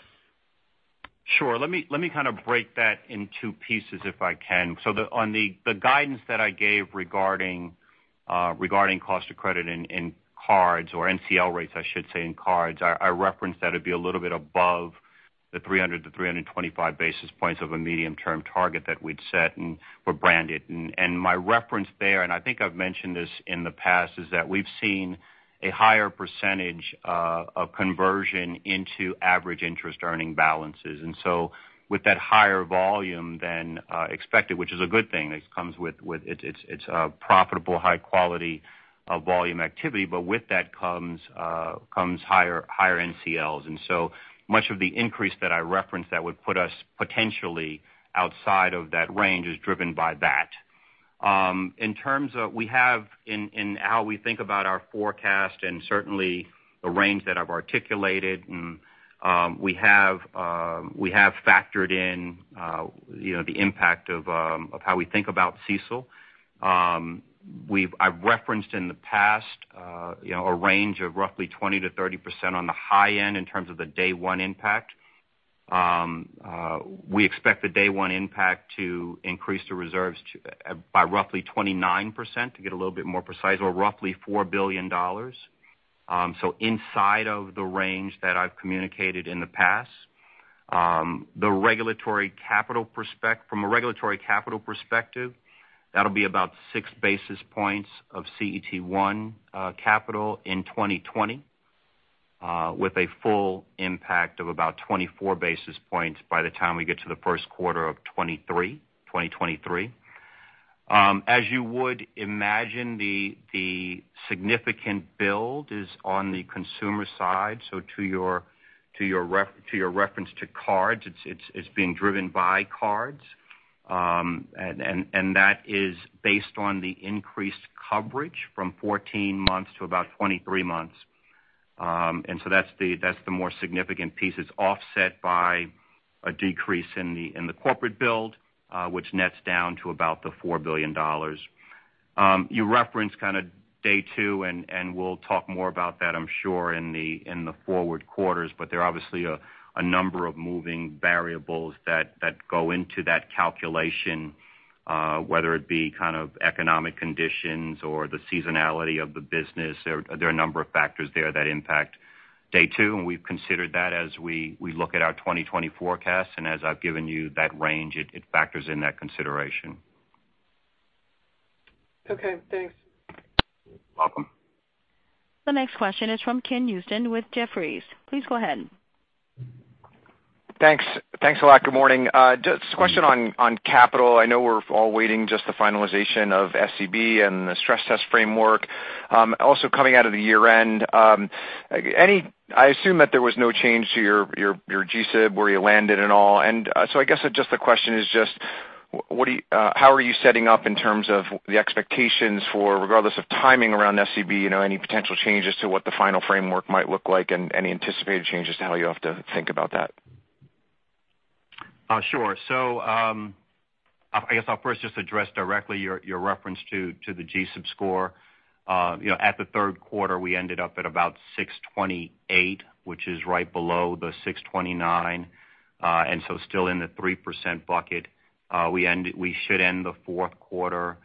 Sure. Let me kind of break that in two pieces, if I can. On the guidance that I gave regarding cost of credit in cards or NCL rates, I should say, in cards, I referenced that it'd be a little bit above the 300 basis points-325 basis points of a medium-term target that we'd set and for Branded. My reference there, and I think I've mentioned this in the past, is that we've seen a higher percentage of conversion into average interest earning balances. With that higher volume than expected, which is a good thing, it's a profitable, high quality volume activity. With that comes higher NCLs. Much of the increase that I referenced that would put us potentially outside of that range is driven by that. In terms of we have in how we think about our forecast and certainly the range that I've articulated, we have factored in the impact of how we think about CECL. I've referenced in the past a range of roughly 20%-30% on the high end in terms of the day one impact. We expect the day one impact to increase the reserves by roughly 29%, to get a little bit more precise, or roughly $4 billion. Inside of the range that I've communicated in the past. From a regulatory capital perspective, that'll be about six basis points of CET1 capital in 2020 with a full impact of about 24 basis points by the time we get to the first quarter of 2023. As you would imagine, the significant build is on the consumer side. To your reference to cards, it's being driven by cards. That is based on the increased coverage from 14 months to about 23 months. That's the more significant piece is offset by a decrease in the corporate build, which nets down to about the $4 billion. You referenced kind of day two, and we'll talk more about that, I'm sure, in the forward quarters. There are obviously a number of moving variables that go into that calculation, whether it be kind of economic conditions or the seasonality of the business. There are a number of factors there that impact day two, and we've considered that as we look at our 2020 forecast. As I've given you that range, it factors in that consideration. Okay, thanks. Welcome. The next question is from Ken Usdin with Jefferies. Please go ahead. Thanks. Thanks a lot. Good morning. Just a question on capital. I know we're all waiting just the finalization of SCB and the stress test framework, also coming out of the year-end. I assume that there was no change to your G-SIB where you landed and all. I guess the question is how are you setting up in terms of the expectations for, regardless of timing around SCB, any potential changes to what the final framework might look like and any anticipated changes to how you have to think about that? Sure. I guess I'll first just address directly your reference to the G-SIB score. At the third quarter, we ended up at about 628, which is right below the 629, still in the 3% bucket. We should end the fourth quarter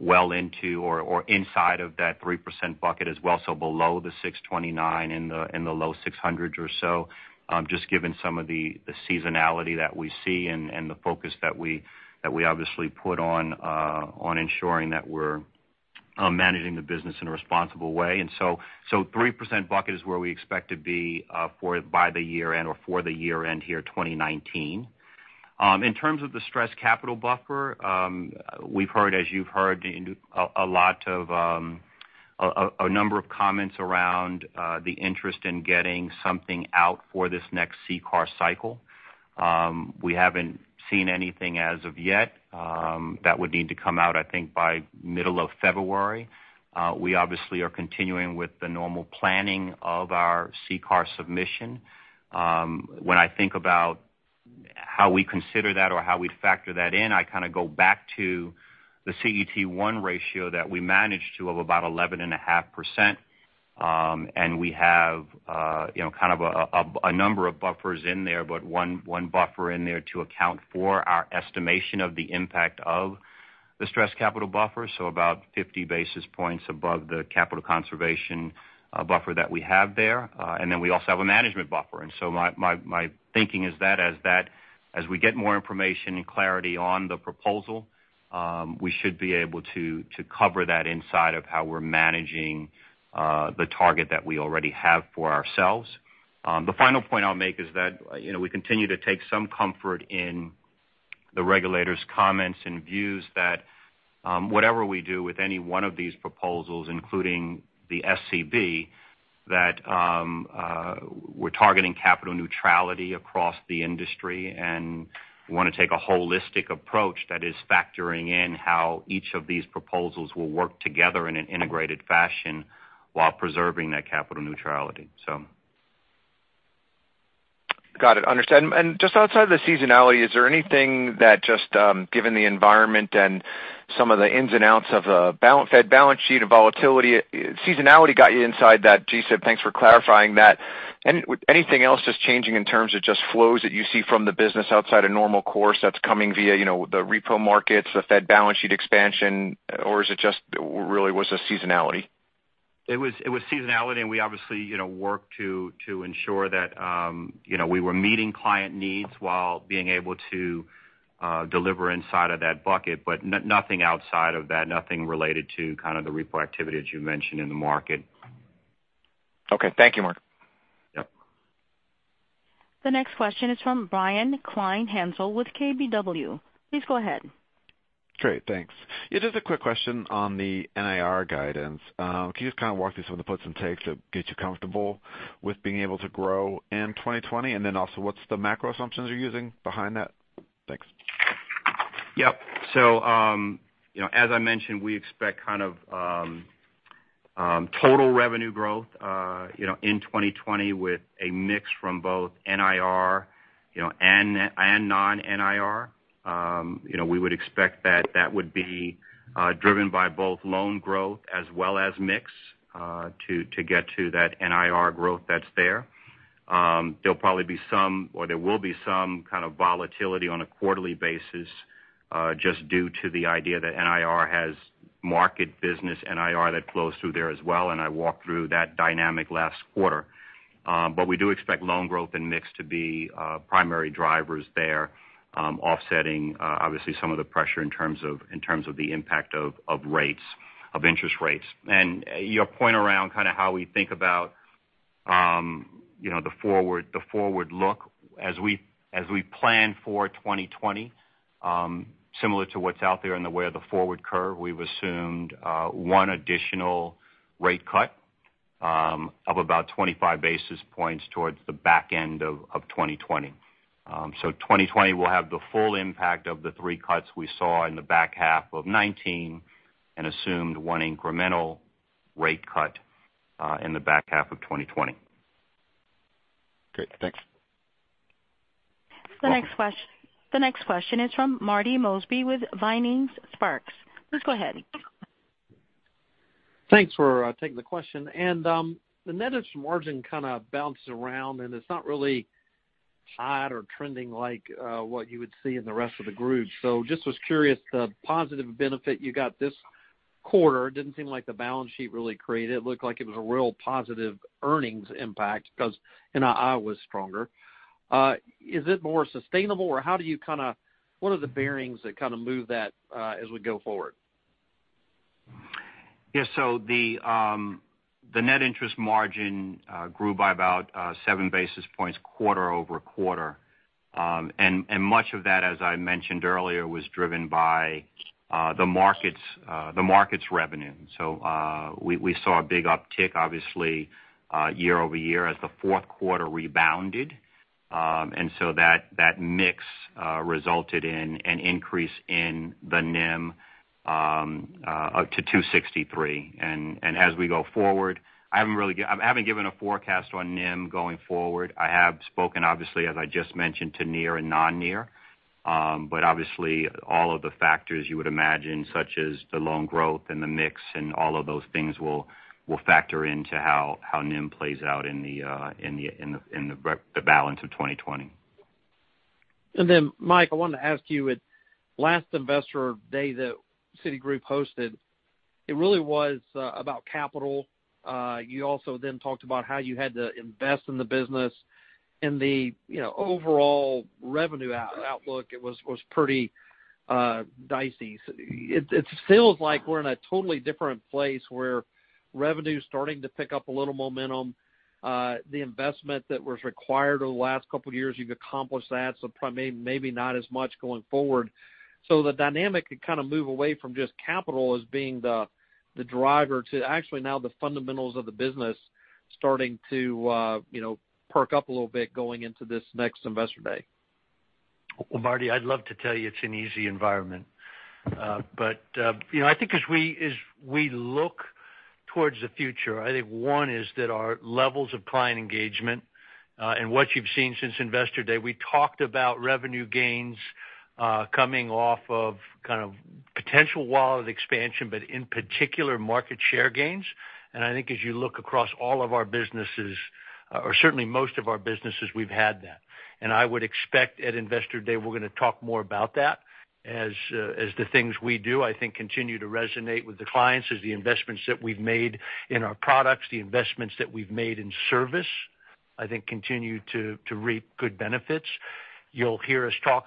well into or inside of that 3% bucket as well, below the 629 in the low 600s or so, just given some of the seasonality that we see and the focus that we obviously put on ensuring that we're managing the business in a responsible way. 3% bucket is where we expect to be by the year-end or for the year-end here, 2019. In terms of the stress capital buffer, we've heard, as you've heard, a number of comments around the interest in getting something out for this next CCAR cycle. We haven't seen anything as of yet. That would need to come out, I think, by middle of February. We obviously are continuing with the normal planning of our CCAR submission. When I think about how we consider that or how we factor that in, I kind of go back to the CET1 ratio that we managed to of about 11.5%. We have kind of a number of buffers in there, but one buffer in there to account for our estimation of the impact of the stress capital buffer, so about 50 basis points above the capital conservation buffer that we have there. We also have a management buffer. My thinking is that as we get more information and clarity on the proposal, we should be able to cover that inside of how we're managing the target that we already have for ourselves. The final point I'll make is that we continue to take some comfort in the regulator's comments and views that, whatever we do with any one of these proposals, including the SCB, that we're targeting capital neutrality across the industry and want to take a holistic approach that is factoring in how each of these proposals will work together in an integrated fashion while preserving that capital neutrality. Got it. Understood. Just outside of the seasonality, is there anything that just given the environment and some of the ins and outs of the Fed balance sheet and volatility, seasonality got you inside that, G-SIB, thanks for clarifying that. Anything else just changing in terms of just flows that you see from the business outside a normal course that's coming via the repo markets, the Fed balance sheet expansion? Or is it just really was a seasonality? It was seasonality. We obviously work to ensure that we were meeting client needs while being able to deliver inside of that bucket. Nothing outside of that, nothing related to kind of the repo activity, as you mentioned, in the market. Okay. Thank you, Mark. Yep. The next question is from Brian Kleinhanzl with KBW. Please go ahead. Great. Thanks. Yeah, just a quick question on the NIR guidance. Can you just kind of walk through some of the puts and takes that get you comfortable with being able to grow in 2020? Then also, what's the macro assumptions you're using behind that? Thanks. Yep. As I mentioned, we expect kind of total revenue growth in 2020 with a mix from both NIR and non-NIR. We would expect that that would be driven by both loan growth as well as mix, to get to that NIR growth that's there. There'll probably be some, or there will be some kind of volatility on a quarterly basis, just due to the idea that NIR has market business NIR that flows through there as well, and I walked through that dynamic last quarter. We do expect loan growth and mix to be primary drivers there, offsetting obviously some of the pressure in terms of the impact of interest rates. Your point around kind of how we think about the forward look. As we plan for 2020, similar to what's out there in the way of the forward curve, we've assumed one additional rate cut of about 25 basis points towards the back end of 2020. 2020 will have the full impact of the three cuts we saw in the back half of 2019 and assumed one incremental rate cut in the back half of 2020. Great. Thanks. The next question is from Marty Mosby with Vining Sparks. Please go ahead. Thanks for taking the question. The net interest margin kind of bounces around, and it's not really hot or trending like what you would see in the rest of the group. Just was curious, the positive benefit you got this quarter, didn't seem like the balance sheet really created. It looked like it was a real positive earnings impact because NII was stronger. Is it more sustainable or what are the bearings that kind of move that as we go forward? Yeah. The net interest margin grew by about seven basis points quarter-over-quarter. Much of that, as I mentioned earlier, was driven by the markets revenue. We saw a big uptick, obviously, year-over-year as the fourth quarter rebounded. That mix resulted in an increase in the NIM up to 263. As we go forward, I haven't given a forecast on NIM going forward. I have spoken, obviously, as I just mentioned to NII and non-NII. Obviously all of the factors you would imagine, such as the loan growth and the mix and all of those things will factor into how NIM plays out in the balance of 2020. Then Mike, I wanted to ask you, at last Investor Day that Citigroup hosted, it really was about capital. You also then talked about how you had to invest in the business and the overall revenue outlook, it was pretty dicey. It feels like we're in a totally different place, where revenue's starting to pick up a little momentum. The investment that was required over the last couple of years, you've accomplished that, probably maybe not as much going forward. The dynamic could kind of move away from just capital as being the driver to actually now the fundamentals of the business starting to perk up a little bit going into this next Investor Day. Marty, I'd love to tell you it's an easy environment. I think as we look towards the future, I think one is that our levels of client engagement, and what you've seen since Investor Day, we talked about revenue gains coming off of kind of potential wallet expansion, but in particular, market share gains. I think as you look across all of our businesses, or certainly most of our businesses, we've had that. I would expect at Investor Day, we're going to talk more about that as the things we do, I think, continue to resonate with the clients as the investments that we've made in our products, the investments that we've made in service, I think continue to reap good benefits. You'll hear us talk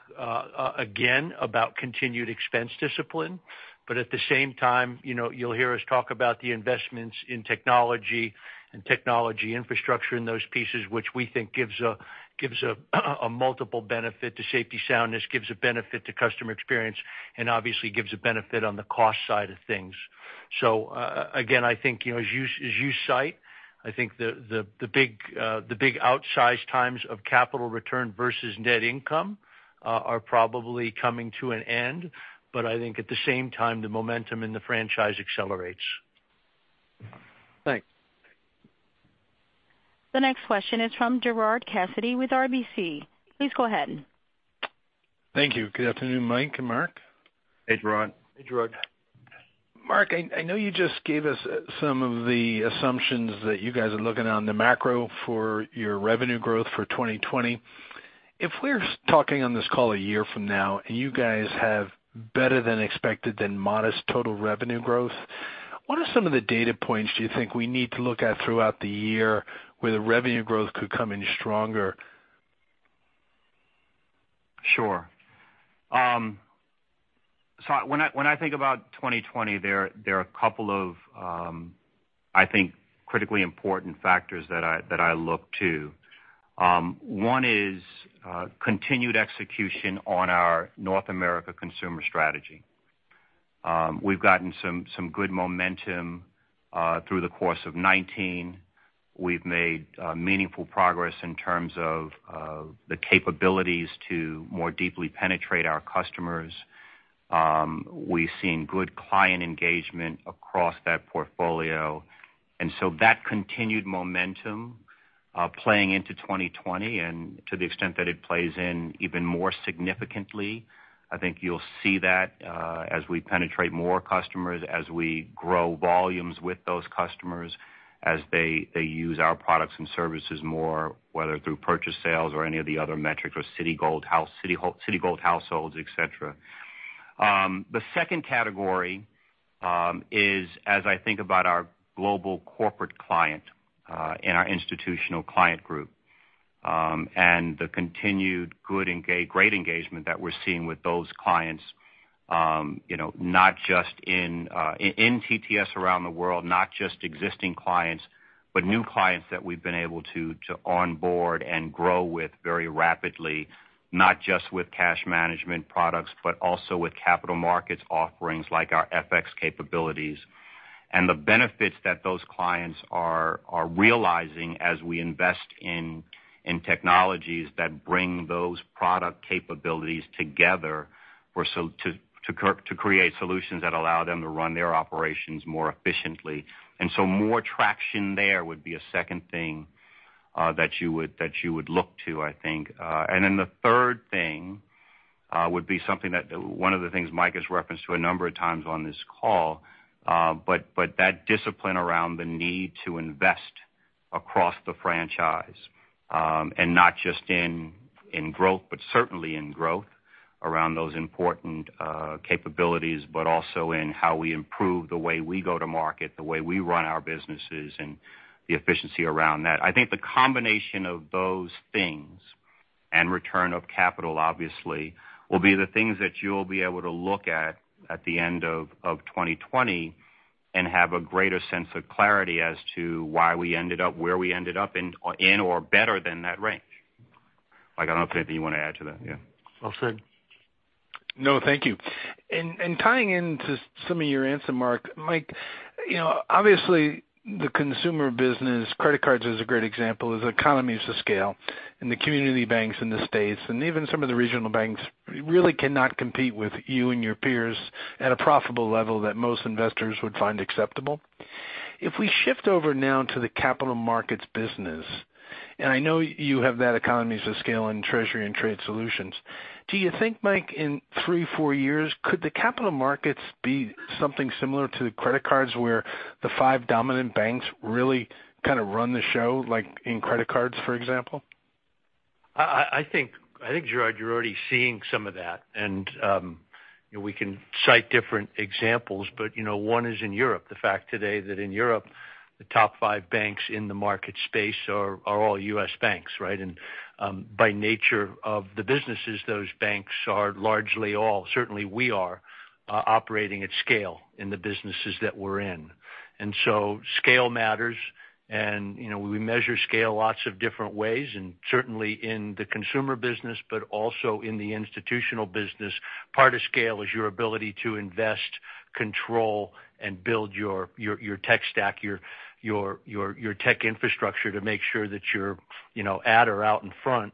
again about continued expense discipline. At the same time, you'll hear us talk about the investments in technology and technology infrastructure in those pieces, which we think gives a multiple benefit to safety soundness, gives a benefit to customer experience, and obviously gives a benefit on the cost side of things. Again, I think as you cite, I think the big outsized times of capital return versus net income are probably coming to an end. I think at the same time, the momentum in the franchise accelerates. Thanks. The next question is from Gerard Cassidy with RBC. Please go ahead. Thank you. Good afternoon, Mike and Mark. Hey, Gerard. Hey, Gerard. Mark, I know you just gave us some of the assumptions that you guys are looking on the macro for your revenue growth for 2020. If we're talking on this call a year from now, and you guys have better than expected modest total revenue growth, what are some of the data points do you think we need to look at throughout the year where the revenue growth could come in stronger? Sure. When I think about 2020, there are a couple of, I think, critically important factors that I look to. One is continued execution on our North America Consumer strategy. We've gotten some good momentum through the course of 2019. We've made meaningful progress in terms of the capabilities to more deeply penetrate our customers. We've seen good client engagement across that portfolio. That continued momentum playing into 2020, and to the extent that it plays in even more significantly, I think you'll see that as we penetrate more customers, as we grow volumes with those customers, as they use our products and services more, whether through purchase sales or any of the other metrics with Citigold households, et cetera. The second category is, as I think about our global corporate client, and our Institutional Clients Group, and the continued great engagement that we're seeing with those clients, in TTS around the world, not just existing clients, but new clients that we've been able to onboard and grow with very rapidly, not just with cash management products, but also with capital markets offerings like our FX capabilities. The benefits that those clients are realizing as we invest in technologies that bring those product capabilities together to create solutions that allow them to run their operations more efficiently. More traction there would be a second thing that you would look to, I think. The third thing would be one of the things Mike has referenced to a number of times on this call, but that discipline around the need to invest across the franchise, and not just in growth, but certainly in growth around those important capabilities, but also in how we improve the way we go to market, the way we run our businesses, and the efficiency around that. I think the combination of those things, and return of capital obviously, will be the things that you'll be able to look at at the end of 2020 and have a greater sense of clarity as to why we ended up where we ended up in, or better than that range. Mike, I don't know if there's anything you want to add to that, yeah. Well said. No, thank you. Tying into some of your answer, Mark. Mike, obviously the consumer business, credit cards is a great example, is economies of scale, and the community banks in the U.S., and even some of the regional banks really cannot compete with you and your peers at a profitable level that most investors would find acceptable. If we shift over now to the capital markets business, I know you have that economies of scale in Treasury and Trade Solutions. Do you think, Mike, in three, four years, could the capital markets be something similar to the credit cards, where the five dominant banks really kind of run the show, like in credit cards, for example? I think, Gerard, you're already seeing some of that, and we can cite different examples, but one is in Europe. The fact today that in Europe, the top five banks in the market space are all U.S. banks, right? By nature of the businesses, those banks are largely all, certainly we are, operating at scale in the businesses that we're in. Scale matters, and we measure scale lots of different ways, and certainly in the consumer business, but also in the institutional business. Part of scale is your ability to invest, control, and build your tech stack, your tech infrastructure to make sure that you're at or out in front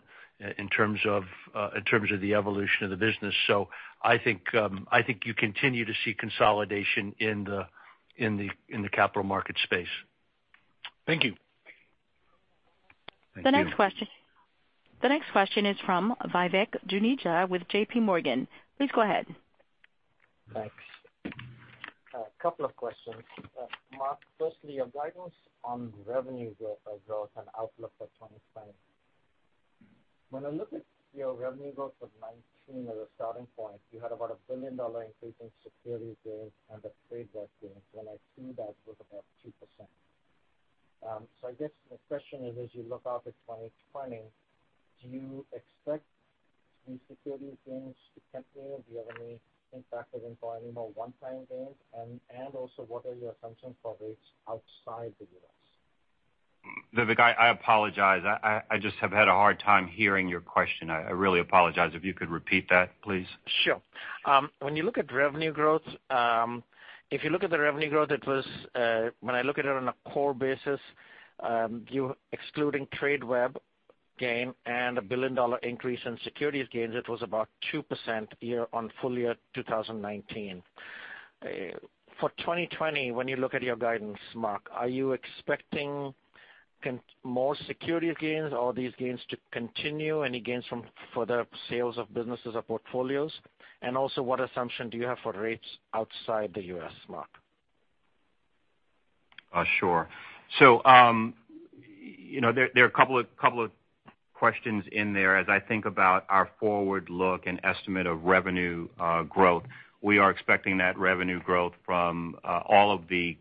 in terms of the evolution of the business. I think you continue to see consolidation in the capital market space. Thank you. Thank you. The next question is from Vivek Juneja with JPMorgan. Please go ahead. Thanks. A couple of questions. Mark, firstly, guidance on revenue growth and outlook for 2020. When I look at your revenue growth of 2019 as a starting point, you had about a billion-dollar increase in securities gains and the trade gains. When I see that was about 2%. I guess my question is, as you look out at 2020, do you expect these securities gains to continue? Do you have any impact of implying more one-time gains? Also what are your assumptions for rates outside the U.S.? Vivek, I apologize. I just have had a hard time hearing your question. I really apologize. If you could repeat that, please. Sure. When you look at revenue growth, if you look at the revenue growth, when I look at it on a core basis, excluding Tradeweb gain and a billion-dollar increase in securities gains, it was about 2% on full-year 2019. For 2020, when you look at your guidance, Mark, are you expecting more securities gains, all these gains to continue, any gains from further sales of businesses or portfolios? Also, what assumption do you have for rates outside the U.S., Mark? Sure. There are a couple of questions in there as I think about our forward look and estimate of revenue growth. We are expecting that revenue growth from all of the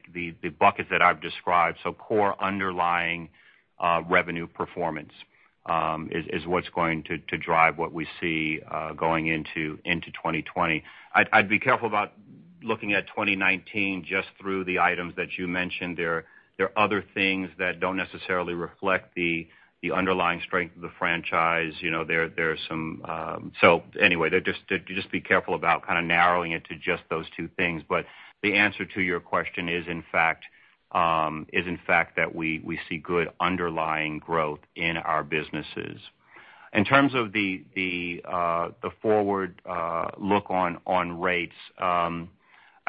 buckets that I've described. Core underlying revenue performance is what's going to drive what we see going into 2020. I'd be careful about looking at 2019 just through the items that you mentioned. There are other things that don't necessarily reflect the underlying strength of the franchise. Anyway, just be careful about kind of narrowing it to just those two things. The answer to your question is, in fact, that we see good underlying growth in our businesses. In terms of the forward look on rates,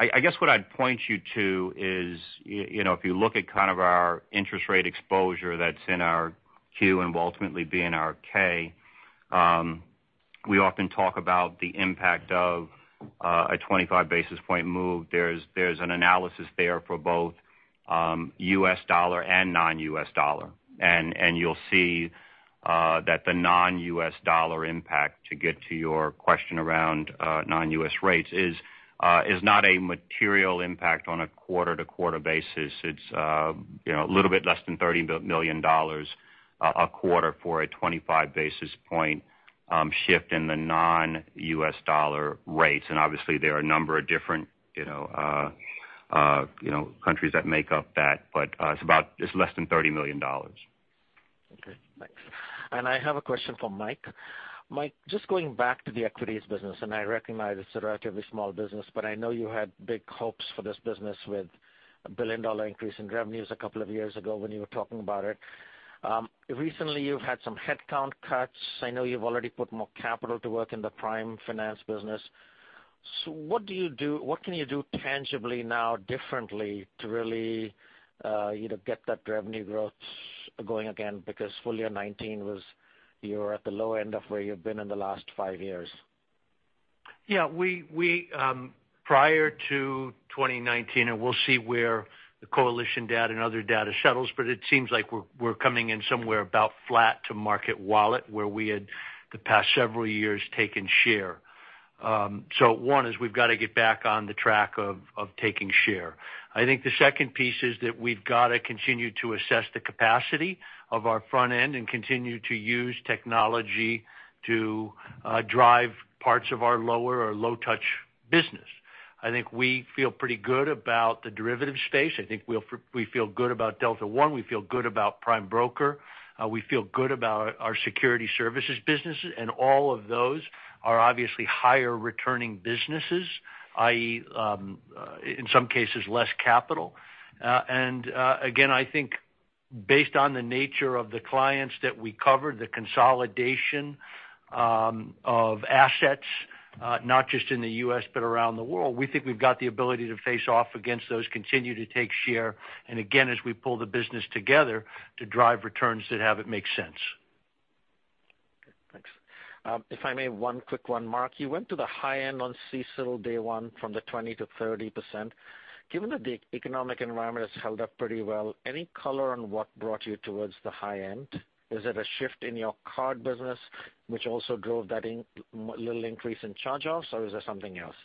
I guess what I'd point you to is, if you look at kind of our interest rate exposure that's in our Q and will ultimately be in our K, we often talk about the impact of a 25-basis-point move. There's an analysis there for both U.S. dollar and non-U.S. dollar. You'll see that the non-U.S. dollar impact, to get to your question around non-U.S. rates, is not a material impact on a quarter-to-quarter basis. It's a little bit less than $30 million a quarter for a 25-basis-point shift in the non-U.S. dollar rates. Obviously there are a number of different countries that make up that, but it's less than $30 million. Okay, thanks. I have a question for Mike. Mike, just going back to the equities business, and I recognize it's a relatively small business, but I know you had big hopes for this business with a $1 billion increase in revenues a couple of years ago when you were talking about it. Recently, you've had some headcount cuts. I know you've already put more capital to work in the prime finance business. What can you do tangibly now differently to really get that revenue growth going again? Because full-year 2019, you're at the low end of where you've been in the last five years. Yeah. Prior to 2019, and we'll see where the Coalition data and other data settles, but it seems like we're coming in somewhere about flat to market wallet where we had, the past several years, taken share. One is we've got to get back on the track of taking share. I think the second piece is that we've got to continue to assess the capacity of our front end and continue to use technology to drive parts of our lower or low touch business. I think we feel pretty good about the derivative space. I think we feel good about Delta One. We feel good about prime broker. We feel good about our security services businesses, and all of those are obviously higher returning businesses, i.e., in some cases, less capital. I think based on the nature of the clients that we cover, the consolidation of assets, not just in the U.S. but around the world, we think we've got the ability to face off against those, continue to take share, and again, as we pull the business together, to drive returns that have it make sense. Okay, thanks. If I may, one quick one, Mark. You went to the high end on CECL day one from the 20%-30%. Given that the economic environment has held up pretty well, any color on what brought you towards the high end? Is it a shift in your card business which also drove that little increase in charge-offs, or is there something else?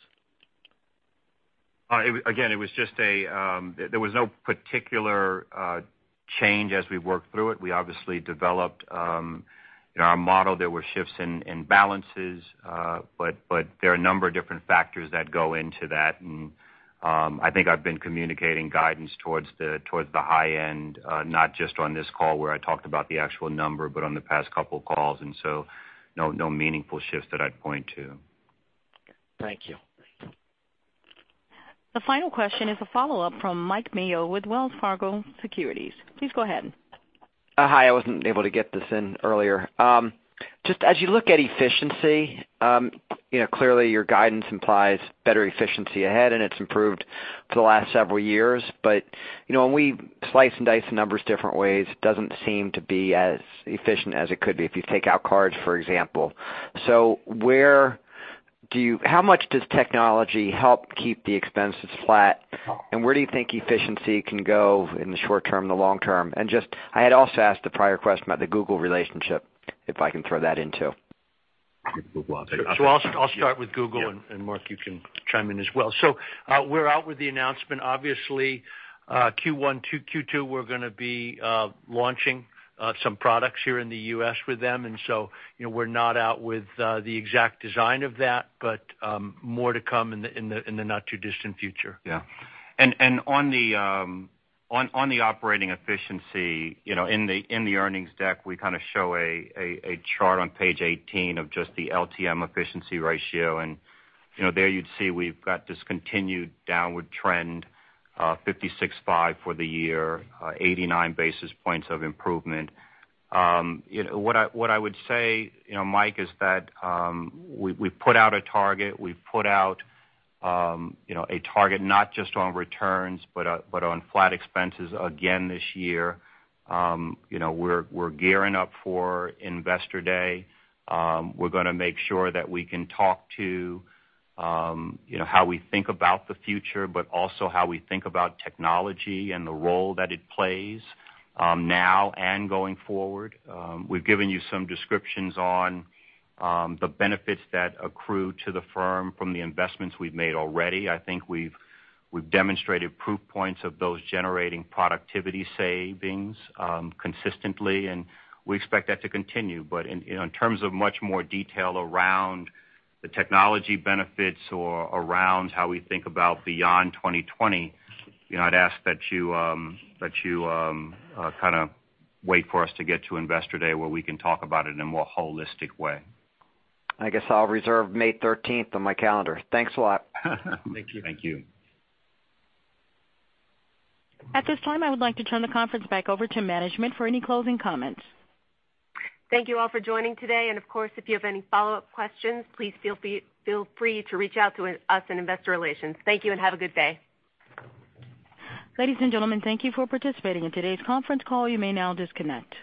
Again, there was no particular change as we worked through it. We obviously developed our model. There were shifts in balances. There are a number of different factors that go into that, and I think I've been communicating guidance towards the high end, not just on this call where I talked about the actual number, but on the past couple calls. No meaningful shifts that I'd point to. Thank you. The final question is a follow-up from Mike Mayo with Wells Fargo Securities. Please go ahead. Hi. I wasn't able to get this in earlier. As you look at efficiency, clearly your guidance implies better efficiency ahead, and it's improved for the last several years. When we slice and dice the numbers different ways, it doesn't seem to be as efficient as it could be if you take out cards, for example. How much does technology help keep the expenses flat, and where do you think efficiency can go in the short term and the long term? I had also asked the prior question about the Google relationship, if I can throw that in, too. I'll start with Google, and Mark, you can chime in as well. We're out with the announcement. Obviously, Q1 to Q2, we're going to be launching some products here in the U.S. with them, we're not out with the exact design of that, but more to come in the not too distant future. On the operating efficiency, in the earnings deck, we kind of show a chart on page 18 of just the LTM efficiency ratio. There you'd see we've got this continued downward trend, 56.5 for the year, 89 basis points of improvement. What I would say, Mike, is that we've put out a target. We've put out a target not just on returns, but on flat expenses again this year. We're gearing up for Investor Day. We're going to make sure that we can talk to how we think about the future, but also how we think about technology and the role that it plays now and going forward. We've given you some descriptions on the benefits that accrue to the firm from the investments we've made already. I think we've demonstrated proof points of those generating productivity savings consistently, and we expect that to continue. In terms of much more detail around the technology benefits or around how we think about beyond 2020, I'd ask that you kind of wait for us to get to Investor Day where we can talk about it in a more holistic way. I guess I'll reserve May 13th on my calendar. Thanks a lot. Thank you. Thank you. At this time, I would like to turn the conference back over to management for any closing comments. Thank you all for joining today. Of course, if you have any follow-up questions, please feel free to reach out to us in investor relations. Thank you, and have a good day. Ladies and gentlemen, thank you for participating in today's conference call. You may now disconnect.